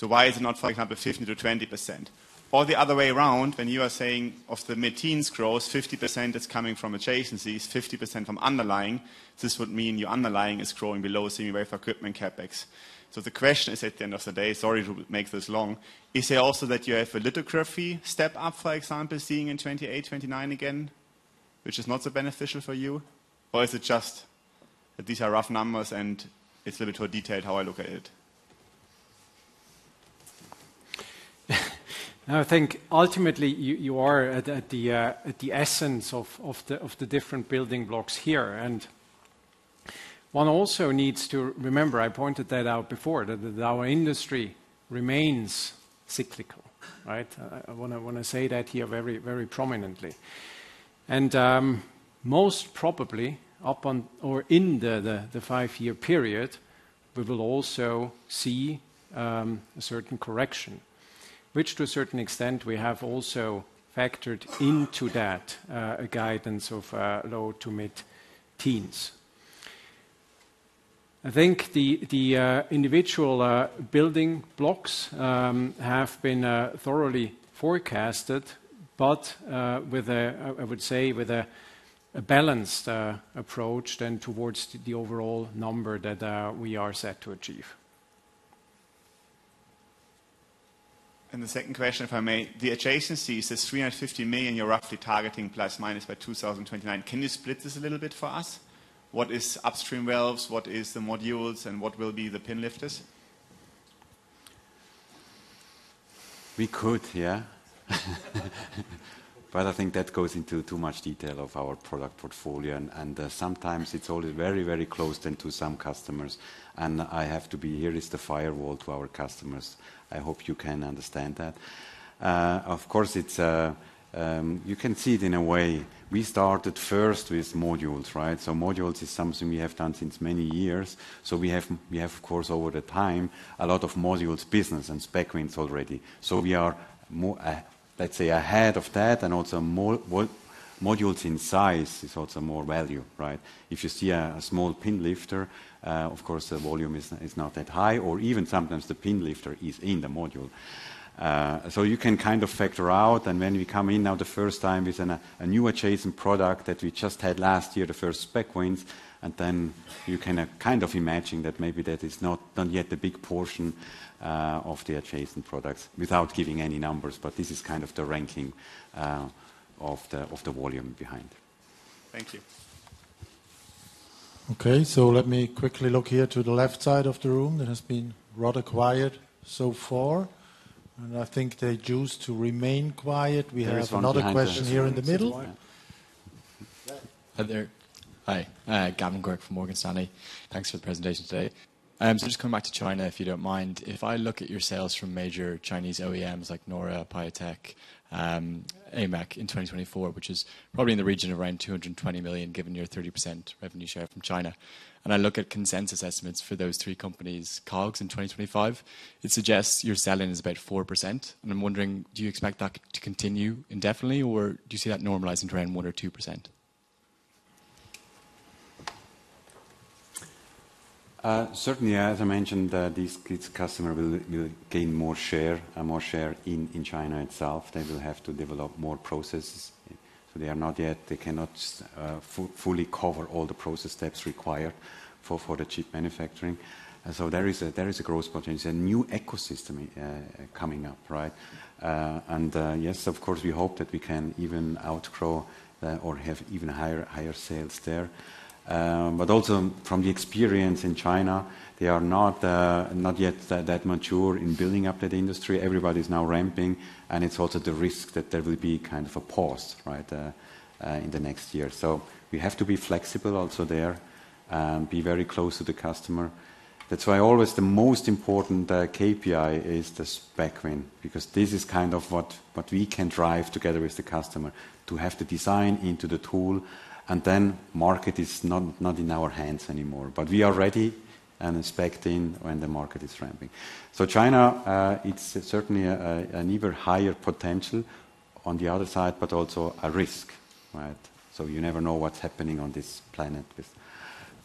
Why is it not, for example, 15%-20%? Or the other way around, when you are saying of the mid-teens growth, 50% is coming from adjacencies, 50% from underlying, this would mean your underlying is growing below semi-wafer equipment CapEx. The question is at the end of the day, sorry to make this long, is there also that you have a little curvy step up, for example, seeing in 2028, 2029 again, which is not so beneficial for you? Is it just that these are rough numbers and it's a little bit more detailed how I look at it? I think ultimately you are at the essence of the different building blocks here. One also needs to remember, I pointed that out before, that our industry remains cyclical, right? I want to say that here very prominently. Most probably up on or in the five-year period, we will also see a certain correction, which to a certain extent we have also factored into that guidance of low to mid-teens. I think the individual building blocks have been thoroughly forecasted, but I would say with a balanced approach then towards the overall number that we are set to achieve. The second question, if I may, the adjacencies, the 350 million you're roughly targeting plus minus by 2029, can you split this a little bit for us? What is upstream valves? What is the modules? And what will be the pin lifters? We could, yeah. I think that goes into too much detail of our product portfolio. Sometimes it's always very, very close then to some customers. I have to be here as the firewall to our customers. I hope you can understand that. Of course, you can see it in a way. We started first with modules, right? Modules is something we have done since many years. We have, of course, over the time, a lot of modules business and spec wins already. We are, let's say, ahead of that. Also, modules in size is also more value, right? If you see a small pin lifter, of course, the volume is not that high, or even sometimes the pin lifter is in the module. You can kind of factor out. When we come in now the first time with a new adjacent product that we just had last year, the first spec wins, you can kind of imagine that maybe that is not yet the big portion of the adjacent products without giving any numbers. This is kind of the ranking of the volume behind. Thank you. Okay, let me quickly look here to the left side of the room. It has been rather quiet so far. I think they choose to remain quiet. We have another question here in the middle. Hi, Gavin Gregg from Morgan Stanley. Thanks for the presentation today. Just coming back to China, if you do not mind, if I look at your sales from major Chinese OEMs like Naura, Pico Technology, AMEC in 2024, which is probably in the region of around 220 million given your 30% revenue share from China. If I look at consensus estimates for those three companies, COGS in 2025, it suggests your selling is about 4%. I am wondering, do you expect that to continue indefinitely or do you see that normalizing to around 1%-2%? Certainly, as I mentioned, these customers will gain more share in China itself. They will have to develop more processes. They are not yet, they cannot fully cover all the process steps required for the chip manufacturing. There is a growth potential, a new ecosystem coming up, right? Yes, of course, we hope that we can even outgrow or have even higher sales there. Also from the experience in China, they are not yet that mature in building up that industry. Everybody's now ramping. It is also the risk that there will be kind of a pause, right, in the next year. We have to be flexible also there, be very close to the customer. That's why always the most important KPI is the spec win, because this is kind of what we can drive together with the customer to have the design into the tool. The market is not in our hands anymore. We are ready and inspecting when the market is ramping. China, it's certainly an even higher potential on the other side, but also a risk, right? You never know what's happening on this planet with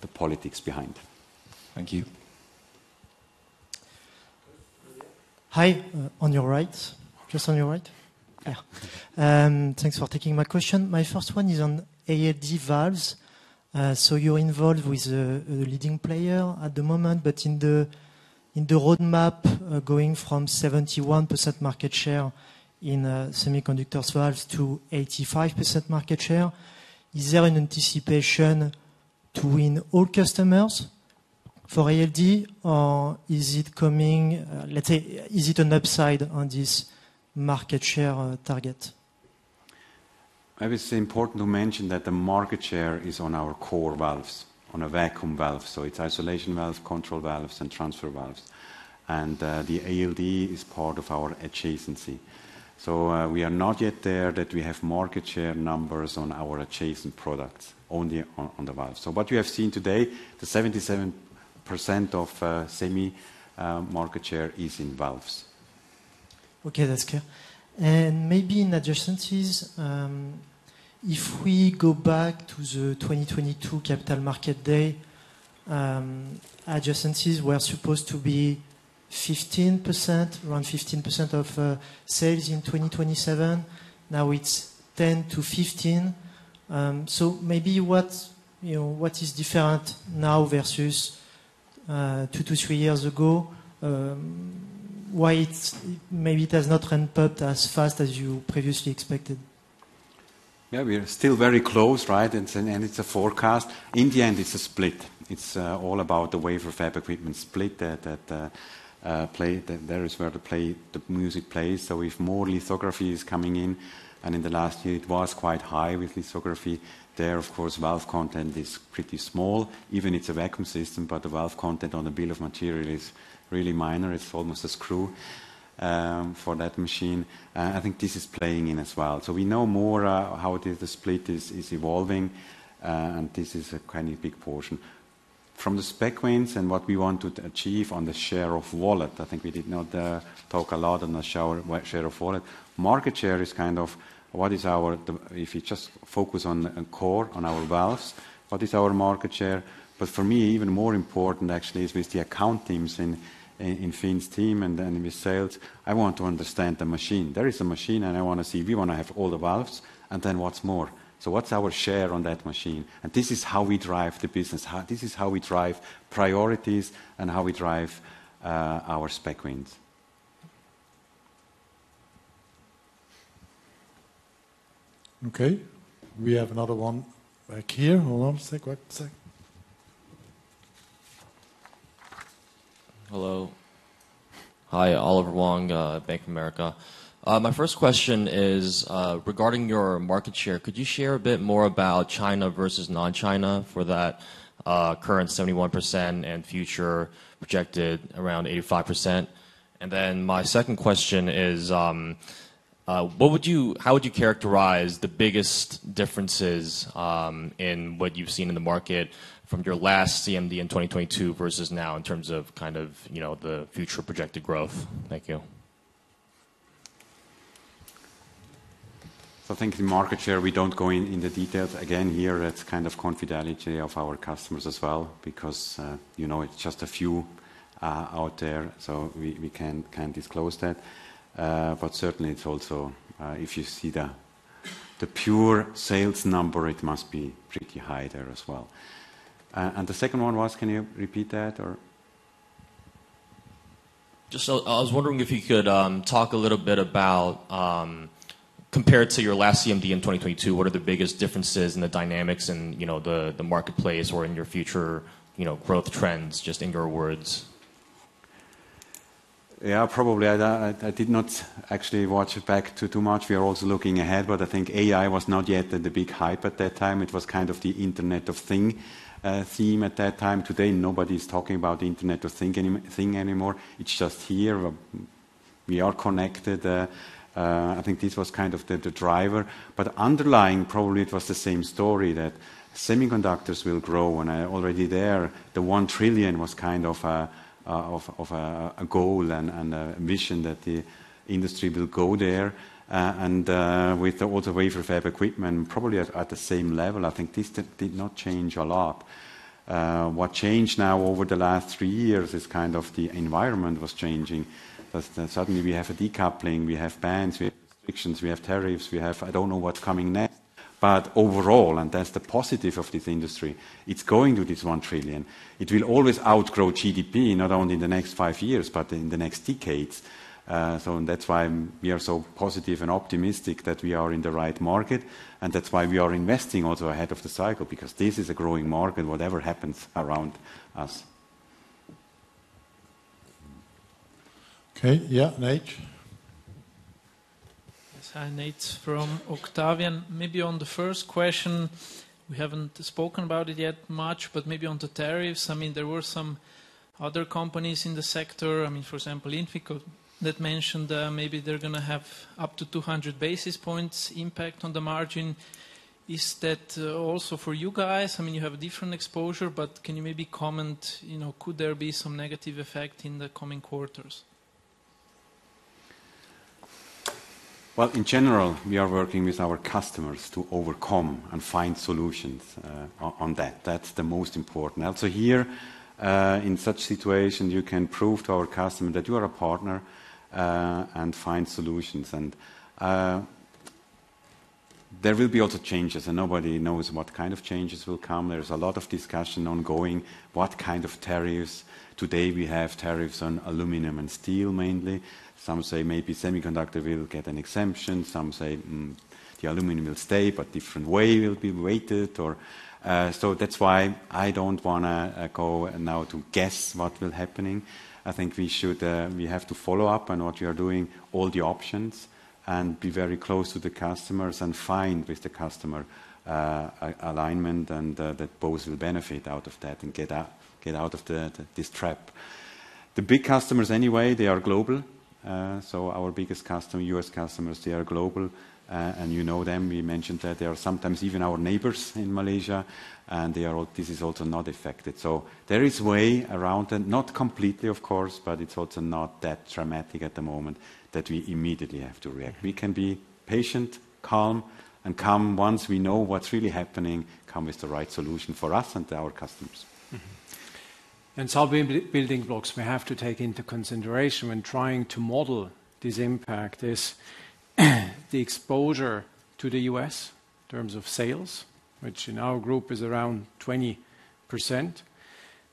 the politics behind. Thank you. Hi, on your right, just on your right. Thanks for taking my question. My first one is on AED valves. You're involved with the leading player at the moment, but in the roadmap going from 71% market share in semiconductor valves to 85% market share, is there an anticipation to win all customers for ALD, or is it coming, let's say, is it an upside on this market share target? I would say important to mention that the market share is on our core valves, on a vacuum valve. It's isolation valves, control valves, and transfer valves. The ALD is part of our adjacency. We are not yet there that we have market share numbers on our adjacent products, only on the valves. What you have seen today, the 77% of semi-market share is in valves. Okay, that's clear. Maybe in adjacencies, if we go back to the 2022 Capital Market Day, adjacencies were supposed to be 15%, around 15% of sales in 2027. Now it's 10-15. Maybe what is different now versus two to three years ago, why maybe it has not ramped up as fast as you previously expected? Yeah, we are still very close, right? And it's a forecast. In the end, it's a split. It's all about the wave of fab equipment split that there is where the music plays. If more lithography is coming in, and in the last year it was quite high with lithography, there, of course, valve content is pretty small. Even if it's a vacuum system, the valve content on the bill of material is really minor. It's almost a screw for that machine. I think this is playing in as well. We know more how the split is evolving. This is a kind of big portion. From the spec wins and what we want to achieve on the share of wallet, I think we did not talk a lot on the share of wallet. Market share is kind of what is our, if you just focus on core, on our valves, what is our market share? For me, even more important actually is with the account teams in Finn's team and with sales. I want to understand the machine. There is a machine and I want to see, we want to have all the valves and then what's more. What is our share on that machine? This is how we drive the business. This is how we drive priorities and how we drive our spec wins. Okay, we have another one back here. Hold on a sec. Hello. Hi, Oliver Wong, Bank of America. My first question is regarding your market share. Could you share a bit more about China versus non-China for that current 71% and future projected around 85%? My second question is, how would you characterize the biggest differences in what you've seen in the market from your last CMD in 2022 versus now in terms of kind of the future projected growth? Thank you. I think in market share, we don't go in the details. Again, here it's kind of confidentiality of our customers as well, because it's just a few out there. We can't disclose that. Certainly, if you see the pure sales number, it must be pretty high there as well. The second one was, can you repeat that? Just I was wondering if you could talk a little bit about compared to your last CMD in 2022, what are the biggest differences in the dynamics and the marketplace or in your future growth trends, just in your words? Yeah, probably I did not actually watch it back too much. We are also looking ahead, but I think AI was not yet at the big hype at that time. It was kind of the internet of thing theme at that time. Today, nobody's talking about the internet of thing anymore. It's just here. We are connected. I think this was kind of the driver. Underlying, probably it was the same story that semiconductors will grow and already there, the $1 trillion was kind of a goal and a vision that the industry will go there. With the auto wafer fab equipment, probably at the same level, I think this did not change a lot. What changed now over the last three years is kind of the environment was changing. Suddenly we have a decoupling, we have bans, we have restrictions, we have tariffs, I do not know what is coming next. Overall, and that is the positive of this industry, it is going to this $1 trillion. It will always outgrow GDP, not only in the next five years, but in the next decades. That is why we are so positive and optimistic that we are in the right market. That is why we are investing also ahead of the cycle because this is a growing market, whatever happens around us. Okay, yeah, Nate? Nate from Octavian. Maybe on the first question, we have not spoken about it yet much, but maybe on the tariffs. I mean, there were some other companies in the sector. I mean, for example, Inficon that mentioned maybe they're going to have up to 200 basis points impact on the margin. Is that also for you guys? I mean, you have a different exposure, but can you maybe comment, could there be some negative effect in the coming quarters? In general, we are working with our customers to overcome and find solutions on that. That's the most important. Also here, in such situation, you can prove to our customer that you are a partner and find solutions. There will be also changes and nobody knows what kind of changes will come. There's a lot of discussion ongoing what kind of tariffs. Today we have tariffs on aluminum and steel mainly. Some say maybe semiconductor will get an exemption. Some say the aluminum will stay, but different way will be weighted. That is why I do not want to go now to guess what will happen. I think we have to follow up on what you are doing, all the options, and be very close to the customers and find with the customer alignment and that both will benefit out of that and get out of this trap. The big customers anyway, they are global. Our biggest customer, US customers, they are global. You know them, we mentioned that they are sometimes even our neighbors in Malaysia. This is also not affected. There is a way around it, not completely, of course, but it is also not that dramatic at the moment that we immediately have to react. We can be patient, calm, and come once we know what's really happening, come with the right solution for us and our customers. Some building blocks we have to take into consideration when trying to model this impact is the exposure to the U.S. in terms of sales, which in our group is around 20%.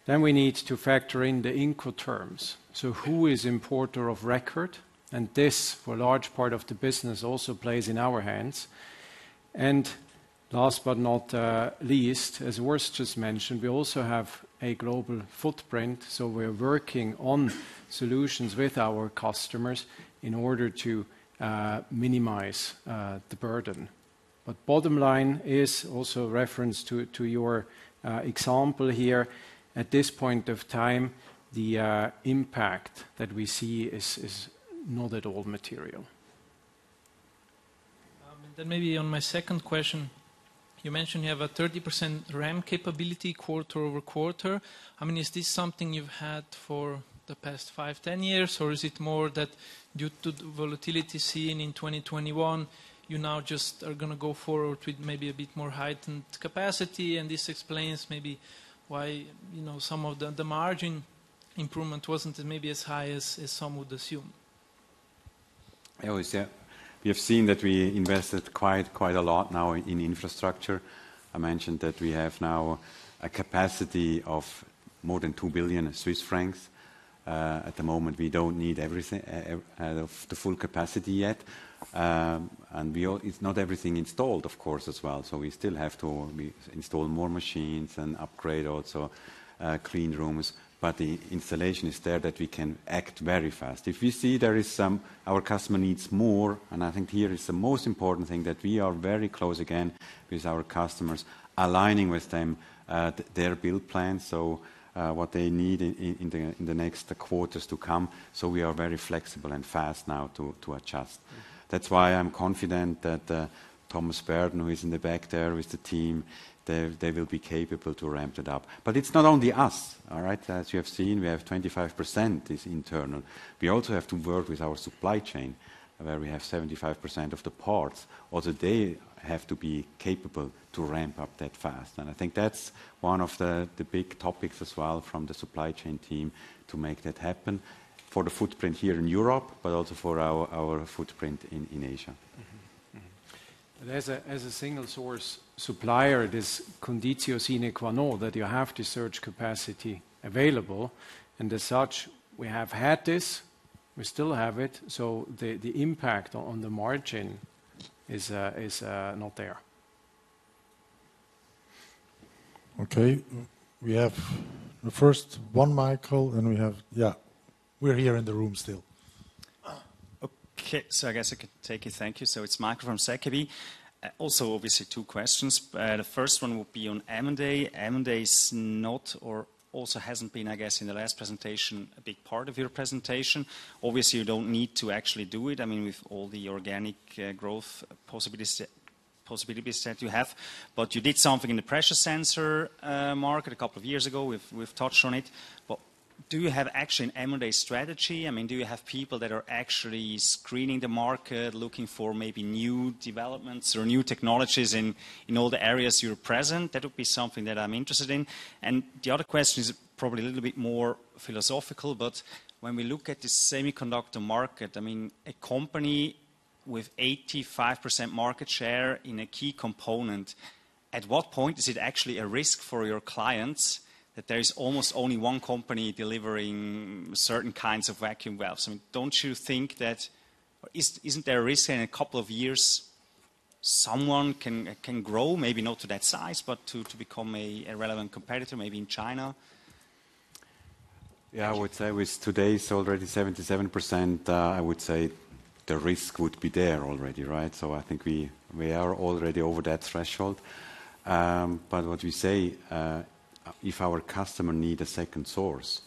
We need to factor in the Incoterms. Who is importer of record? This for a large part of the business also plays in our hands. Last but not least, as Urs just mentioned, we also have a global footprint. We are working on solutions with our customers in order to minimize the burden. Bottom line is also reference to your example here. At this point of time, the impact that we see is not at all material. Maybe on my second question, you mentioned you have a 30% RAM capability quarter over quarter. I mean, is this something you've had for the past five, ten years, or is it more that due to the volatility seen in 2021, you now just are going to go forward with maybe a bit more heightened capacity? This explains maybe why some of the margin improvement wasn't maybe as high as some would assume. We have seen that we invested quite a lot now in infrastructure. I mentioned that we have now a capacity of more than 2 billion Swiss francs. At the moment, we don't need the full capacity yet. It's not everything installed, of course, as well. We still have to install more machines and upgrade also clean rooms. The installation is there that we can act very fast. If you see there is some, our customer needs more. I think here is the most important thing that we are very close again with our customers, aligning with them, their build plans, what they need in the next quarters to come. We are very flexible and fast now to adjust. That is why I am confident that Thomas, who is in the back there with the team, they will be capable to ramp it up. It is not only us, all right? As you have seen, we have 25% is internal. We also have to work with our supply chain where we have 75% of the parts. Also, they have to be capable to ramp up that fast. I think that's one of the big topics as well from the supply chain team to make that happen for the footprint here in Europe, but also for our footprint in Asia. As a single source supplier, this conditio sine qua non that you have to search capacity available. As such, we have had this. We still have it. The impact on the margin is not there. Okay, we have the first one, Michael, and we have, yeah, we're here in the room still. Okay, I guess I could take it. Thank you. It's Michael from Sekebi. Also, obviously, two questions. The first one will be on Amenday. Amenday is not, or also hasn't been, I guess, in the last presentation, a big part of your presentation. Obviously, you don't need to actually do it. I mean, with all the organic growth possibilities that you have. You did something in the pressure sensor market a couple of years ago. We've touched on it. Do you have actually an M&A strategy? I mean, do you have people that are actually screening the market, looking for maybe new developments or new technologies in all the areas you're present? That would be something that I'm interested in. The other question is probably a little bit more philosophical, but when we look at the semiconductor market, I mean, a company with 85% market share in a key component, at what point is it actually a risk for your clients that there is almost only one company delivering certain kinds of vacuum valves? I mean, don't you think that, isn't there a risk in a couple of years someone can grow, maybe not to that size, but to become a relevant competitor maybe in China? Yeah, I would say with today's already 77%, I would say the risk would be there already, right? I think we are already over that threshold. What we say, if our customer needs a second source,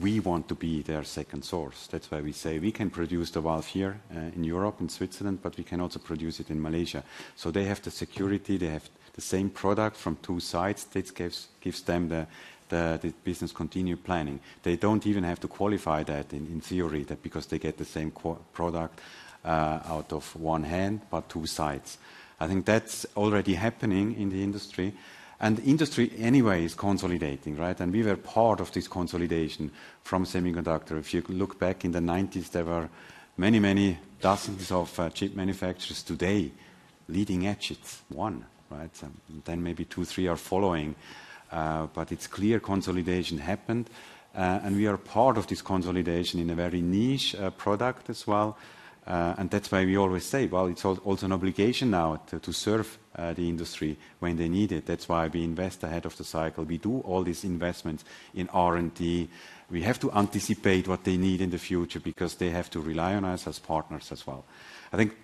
we want to be their second source. That's why we say we can produce the valve here in Europe, in Switzerland, but we can also produce it in Malaysia. They have the security, they have the same product from two sides. This gives them the business continued planning. They don't even have to qualify that in theory because they get the same product out of one hand, but two sides. I think that's already happening in the industry. The industry anyway is consolidating, right? We were part of this consolidation from semiconductor. If you look back in the 1990s, there were many, many dozens of chip manufacturers. Today, leading edge is one, right? Then maybe two, three are following. It is clear consolidation happened. We are part of this consolidation in a very niche product as well. That is why we always say it is also an obligation now to serve the industry when they need it. That is why we invest ahead of the cycle. We do all these investments in R&D. We have to anticipate what they need in the future because they have to rely on us as partners as well. I think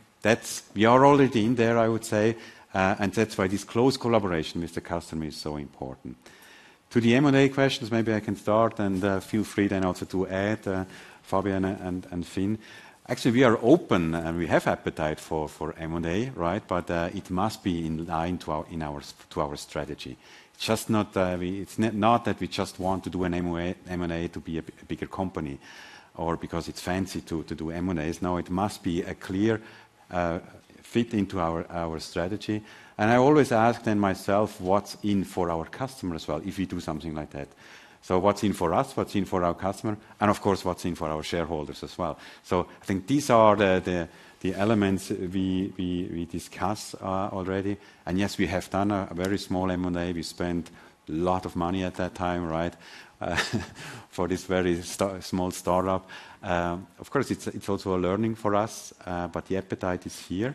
we are already in there, I would say. That is why this close collaboration with the customer is so important. To the M&A questions, maybe I can start and feel free then also to add, Fabian and Finn. Actually, we are open and we have appetite for M&A, right? It must be in line to our strategy. It's not that we just want to do an M&A to be a bigger company or because it's fancy to do M&As. No, it must be a clear fit into our strategy. I always ask then myself, what's in for our customer as well if we do something like that? What's in for us, what's in for our customer, and of course, what's in for our shareholders as well? I think these are the elements we discuss already. Yes, we have done a very small M&A. We spent a lot of money at that time, right, for this very small startup. Of course, it's also a learning for us, but the appetite is here.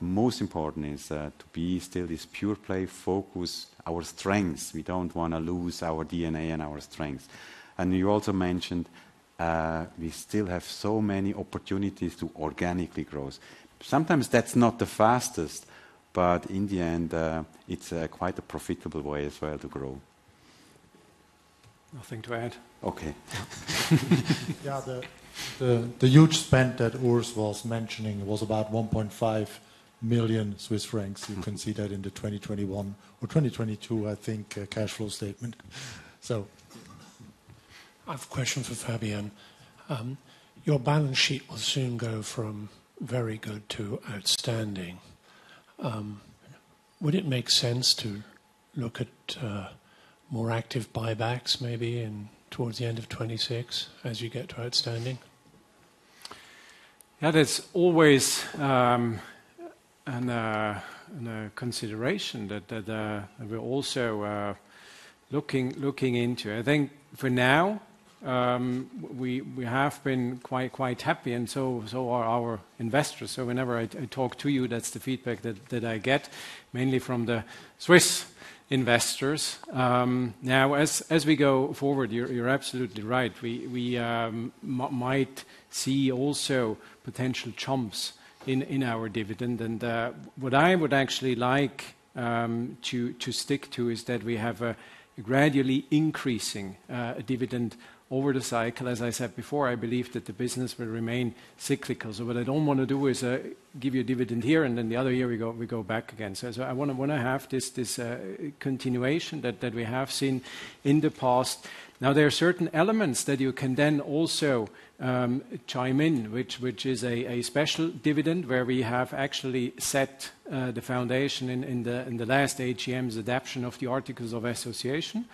Most important is to be still this pure play focus, our strengths. We don't want to lose our DNA and our strengths. You also mentioned we still have so many opportunities to organically grow. Sometimes that's not the fastest, but in the end, it's quite a profitable way as well to grow. Nothing to add. Okay. Yeah, the huge spend that Urs was mentioning was about 1.5 million Swiss francs. You can see that in the 2021 or 2022, I think, cash flow statement. I have questions for Fabian. Your balance sheet will soon go from very good to outstanding. Would it make sense to look at more active buybacks maybe towards the end of 2026 as you get to outstanding? Yeah, that's always a consideration that we're also looking into. I think for now, we have been quite happy and so are our investors. Whenever I talk to you, that's the feedback that I get mainly from the Swiss investors. Now, as we go forward, you're absolutely right. We might see also potential jumps in our dividend. What I would actually like to stick to is that we have a gradually increasing dividend over the cycle. As I said before, I believe that the business will remain cyclical. What I don't want to do is give you a dividend here and then the other year we go back again. I want to have this continuation that we have seen in the past. Now, there are certain elements that you can then also chime in, which is a special dividend where we have actually set the foundation in the last AGM's adaption of the articles of association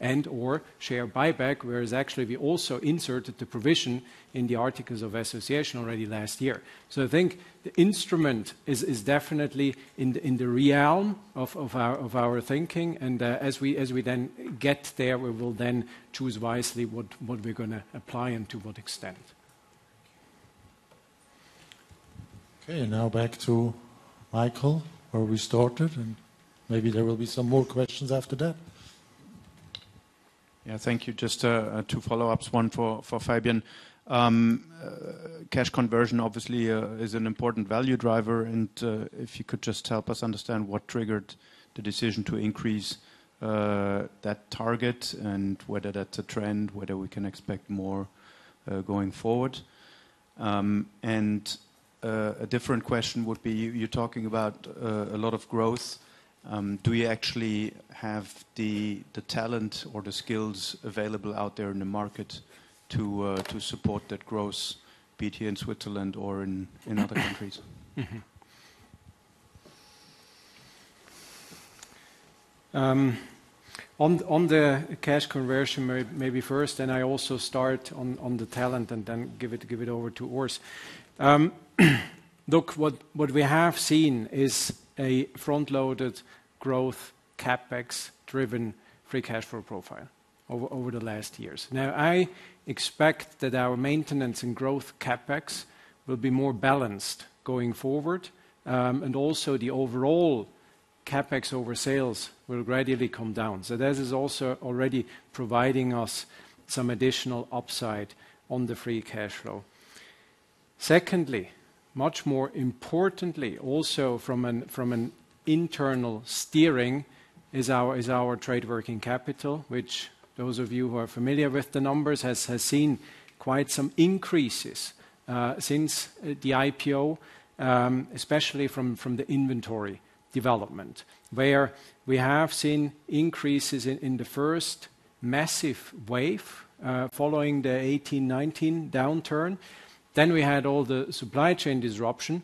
and/or share buyback, whereas actually we also inserted the provision in the articles of association already last year. I think the instrument is definitely in the realm of our thinking. As we then get there, we will then choose wisely what we're going to apply and to what extent. Okay, now back to Michael where we started. Maybe there will be some more questions after that. Yeah, thank you. Just two follow-ups, one for Fabian. Cash conversion obviously is an important value driver. If you could just help us understand what triggered the decision to increase that target and whether that's a trend, whether we can expect more going forward. A different question would be, you're talking about a lot of growth. Do we actually have the talent or the skills available out there in the market to support that growth, be it here in Switzerland or in other countries? On the cash conversion, maybe first, then I also start on the talent and then give it over to Urs. Look, what we have seen is a front-loaded growth CapEx-driven free cash flow profile over the last years. Now, I expect that our maintenance and growth CapEx will be more balanced going forward. Also, the overall CapEx over sales will gradually come down. This is also already providing us some additional upside on the free cash flow. Secondly, much more importantly, also from an internal steering is our trade working capital, which those of you who are familiar with the numbers have seen quite some increases since the IPO, especially from the inventory development, where we have seen increases in the first massive wave following the 2018-2019 downturn. We had all the supply chain disruption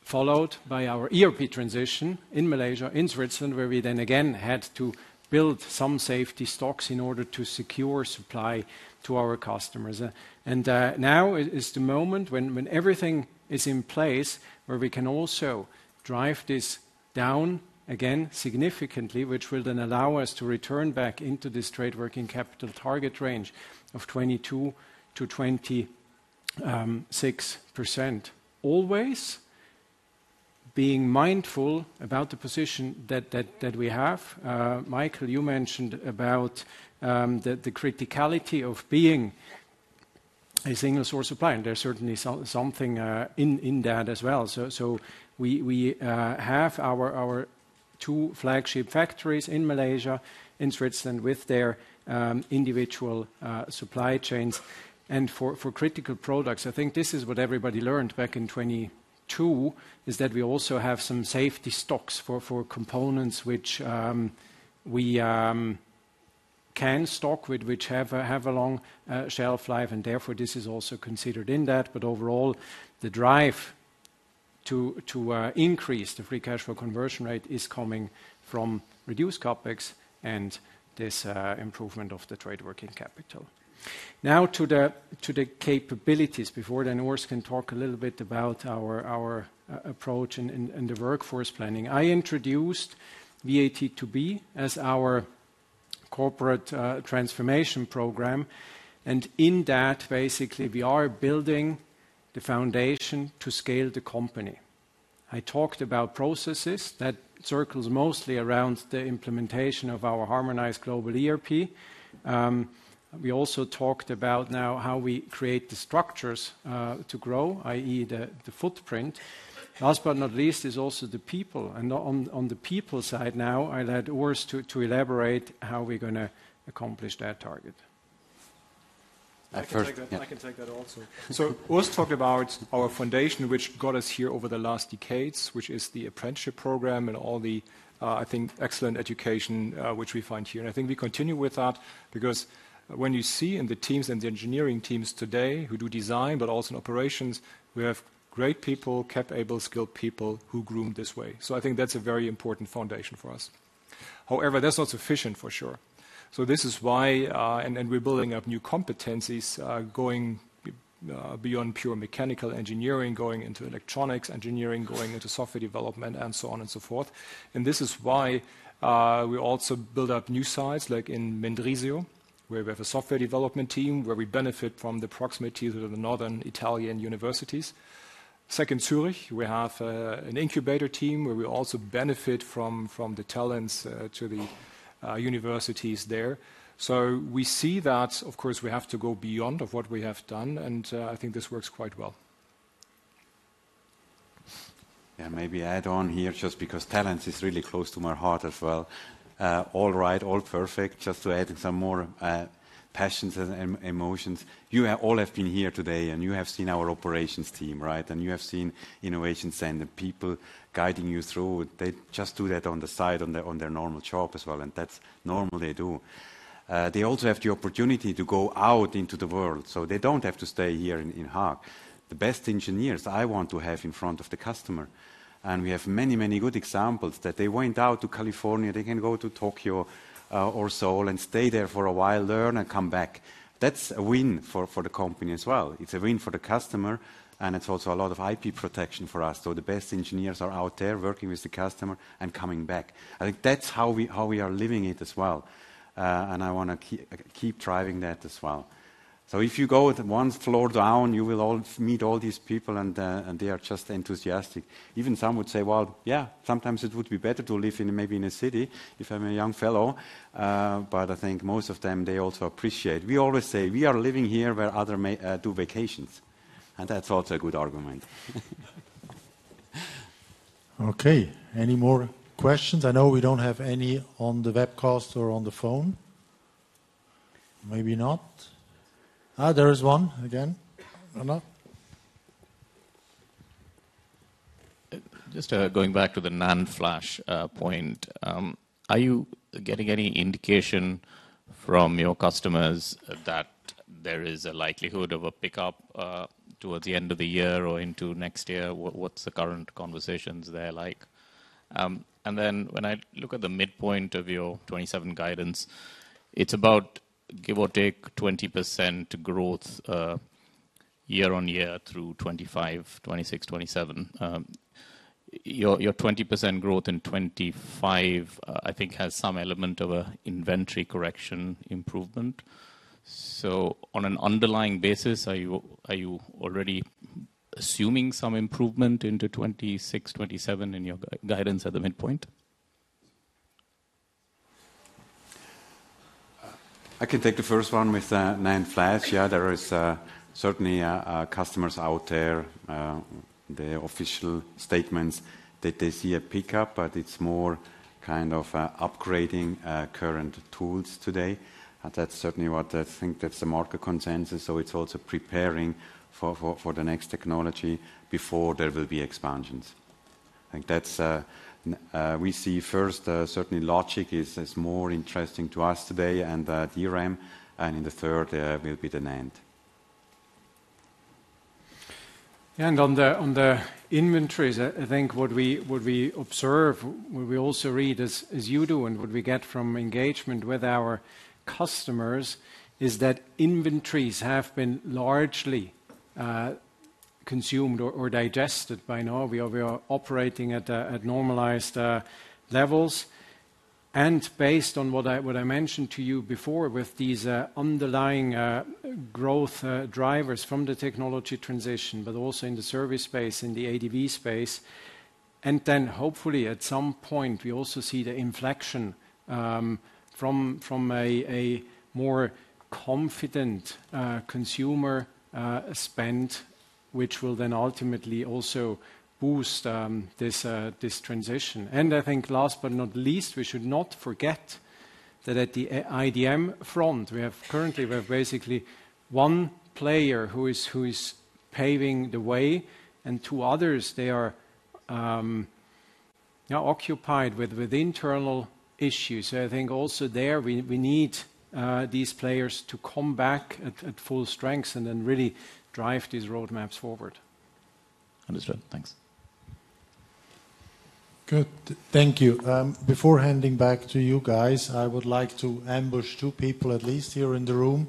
followed by our ERP transition in Malaysia, in Switzerland, where we then again had to build some safety stocks in order to secure supply to our customers. Now is the moment when everything is in place where we can also drive this down again significantly, which will then allow us to return back into this trade working capital target range of 22-26%. Always being mindful about the position that we have. Michael, you mentioned about the criticality of being a single source supply. There is certainly something in that as well. We have our two flagship factories in Malaysia and Switzerland with their individual supply chains. For critical products, I think this is what everybody learned back in 2022, that we also have some safety stocks for components which we can stock with, which have a long shelf life. Therefore, this is also considered in that. Overall, the drive to increase the free cash flow conversion rate is coming from reduced CapEx and this improvement of the trade working capital. Now to the capabilities before Urs can talk a little bit about our approach and the workforce planning. I introduced VAT2B as our corporate transformation program. In that, basically, we are building the foundation to scale the company. I talked about processes that circle mostly around the implementation of our harmonized global ERP. We also talked about now how we create the structures to grow, i.e., the footprint. Last but not least is also the people. On the people side now, I'll let Urs elaborate how we're going to accomplish that target. I can take that also. Urs talked about our foundation, which got us here over the last decades, which is the apprenticeship program and all the, I think, excellent education which we find here. I think we continue with that because when you see in the teams and the engineering teams today who do design, but also in operations, we have great people, capable, skilled people who groom this way. I think that's a very important foundation for us. However, that's not sufficient for sure. This is why, and we're building up new competencies going beyond pure mechanical engineering, going into electronics engineering, going into software development, and so on and so forth. This is why we also build up new sites like in Mendrisio, where we have a software development team where we benefit from the proximity to the northern Italian universities. Second, Zurich, we have an incubator team where we also benefit from the talents to the universities there. We see that, of course, we have to go beyond of what we have done. I think this works quite well. Yeah, maybe add on here just because talent is really close to my heart as well. All right, all perfect. Just to add some more passions and emotions. You all have been here today and you have seen our operations team, right? You have seen innovation center people guiding you through. They just do that on the side on their normal job as well. That is normal they do. They also have the opportunity to go out into the world. They do not have to stay here in Haag. The best engineers I want to have in front of the customer. We have many, many good examples that they went out to California, they can go to Tokyo or Seoul and stay there for a while, learn and come back. That is a win for the company as well. It is a win for the customer. It is also a lot of IP protection for us. The best engineers are out there working with the customer and coming back. I think that is how we are living it as well. I want to keep driving that as well. If you go one floor down, you will meet all these people and they are just enthusiastic. Even some would say, yeah, sometimes it would be better to live maybe in a city if I'm a young fellow. I think most of them, they also appreciate. We always say we are living here where others do vacations. That is also a good argument. Okay, any more questions? I know we do not have any on the webcast or on the phone. Maybe not. There is one again. Just going back to the non-flash point. Are you getting any indication from your customers that there is a likelihood of a pickup towards the end of the year or into next year? What are the current conversations like? When I look at the midpoint of your 2027 guidance, it is about, give or take, 20% growth year on year through 2025, 2026, 2027. Your 20% growth in 2025, I think, has some element of an inventory correction improvement. On an underlying basis, are you already assuming some improvement into 2026, 2027 in your guidance at the midpoint? I can take the first one with non-flash. Yeah, there are certainly customers out there. The official statements are that they see a pickup, but it is more kind of upgrading current tools today. That is certainly what I think is the market consensus. It is also preparing for the next technology before there will be expansions. I think that is what we see first. Certainly, logic is more interesting to us today and the DRAM. In the third, there will be the NAND. Yeah, and on the inventories, I think what we observe, what we also read as you do, and what we get from engagement with our customers is that inventories have been largely consumed or digested by now. We are operating at normalized levels. Based on what I mentioned to you before with these underlying growth drivers from the technology transition, but also in the service space, in the ADV space. Hopefully at some point, we also see the inflection from a more confident consumer spend, which will then ultimately also boost this transition. I think last but not least, we should not forget that at the IDM front, we have currently basically one player who is paving the way and two others, they are occupied with internal issues. I think also there we need these players to come back at full strength and then really drive these roadmaps forward. Understood. Thanks. Good. Thank you. Before handing back to you guys, I would like to ambush two people at least here in the room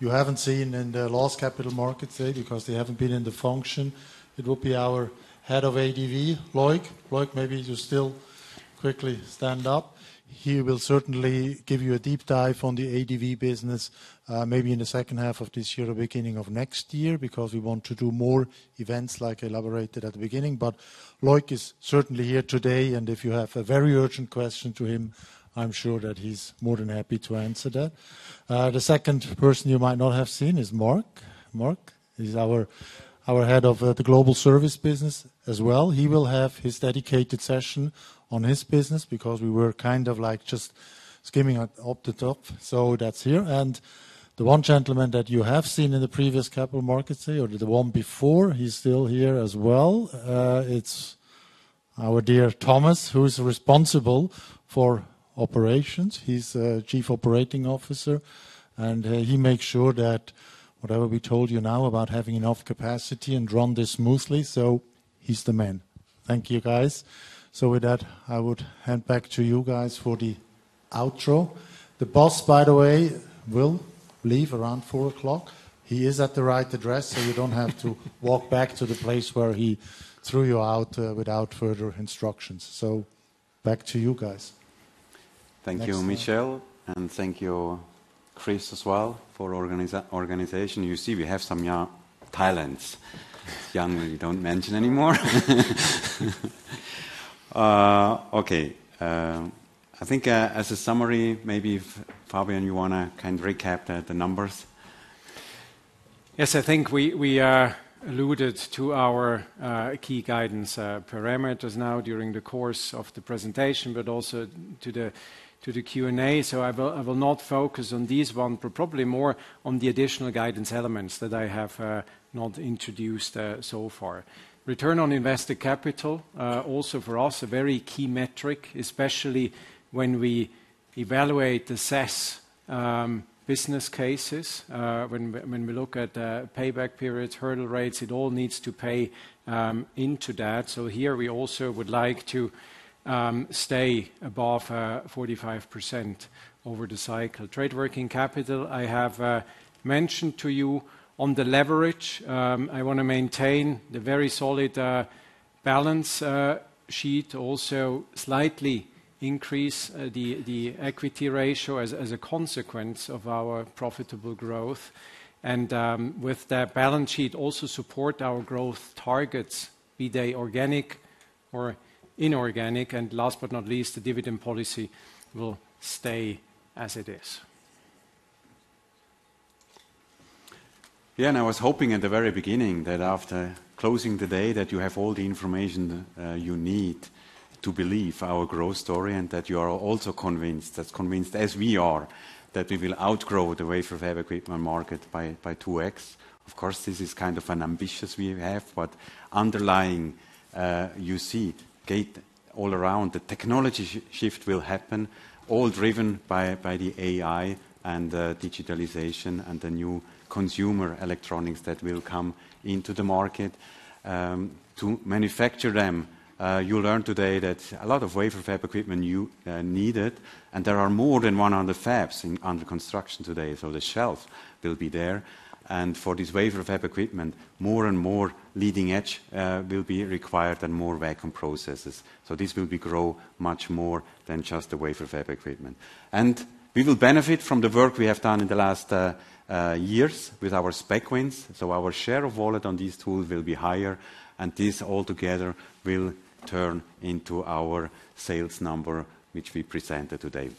you have not seen in the last capital markets today because they have not been in the function. It will be our Head of ADV, Loik. Loik, maybe you still quickly stand up. He will certainly give you a deep dive on the ADV business, maybe in the second half of this year or beginning of next year because we want to do more events like I elaborated at the beginning. Loik is certainly here today. If you have a very urgent question to him, I am sure that he is more than happy to answer that. The second person you might not have seen is Mark. Mark is our Head of the Global Service Business as well. He will have his dedicated session on his business because we were kind of like just skimming up the top. That is here. The one gentleman that you have seen in the previous Capital Markets Day or the one before, he is still here as well. It is our dear Thomas, who is responsible for operations. He is Chief Operating Officer. He makes sure that whatever we told you now about having enough capacity and running this smoothly. He is the man. Thank you, guys. With that, I would hand back to you guys for the outro. The boss, by the way, will leave around 4:00 P.M. He is at the right address, so you do not have to walk back to the place where he threw you out without further instructions. Back to you guys. Thank you, Michel. Thank you, Chris, as well for organization. You see, we have some talents. Young ones do not mention anymore. Okay. I think as a summary, maybe Fabian, you want to kind of recap the numbers? Yes, I think we alluded to our key guidance parameters now during the course of the presentation, but also to the Q&A. I will not focus on this one, but probably more on the additional guidance elements that I have not introduced so far. Return on invested capital, also for us, a very key metric, especially when we evaluate the SAS business cases. When we look at payback periods, hurdle rates, it all needs to pay into that. Here we also would like to stay above 45% over the cycle. Trade working capital, I have mentioned to you on the leverage. I want to maintain the very solid balance sheet, also slightly increase the equity ratio as a consequence of our profitable growth. With that balance sheet, also support our growth targets, be they organic or inorganic. Last but not least, the dividend policy will stay as it is. Yeah, and I was hoping at the very beginning that after closing the day, that you have all the information you need to believe our growth story and that you are also convinced, as convinced as we are, that we will outgrow the wafer fab market by 2x.Of course, this is kind of an ambitious we have, but underlying you see all around the technology shift will happen, all driven by the AI and digitalization and the new consumer electronics that will come into the market. To manufacture them, you learned today that a lot of wafer fab equipment you needed, and there are more than 100 fabs under construction today. The shelf will be there. For this wafer fab equipment, more and more leading edge will be required and more vacuum processes. This will grow much more than just the wafer fab equipment. We will benefit from the work we have done in the last years with our spec wins. Our share of wallet on these tools will be higher. This all together will turn into our sales number, which we presented today.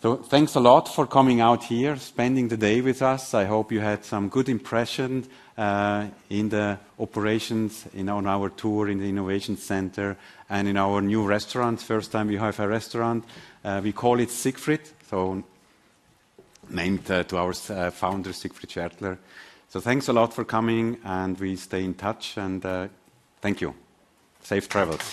Thanks a lot for coming out here, spending the day with us. I hope you had some good impressions in the operations on our tour in the innovation center and in our new restaurant. First time we have a restaurant. We call it Siegfried, so named to our founder, Siegfried Schertler. Thanks a lot for coming, and we stay in touch. Thank you. Safe travels.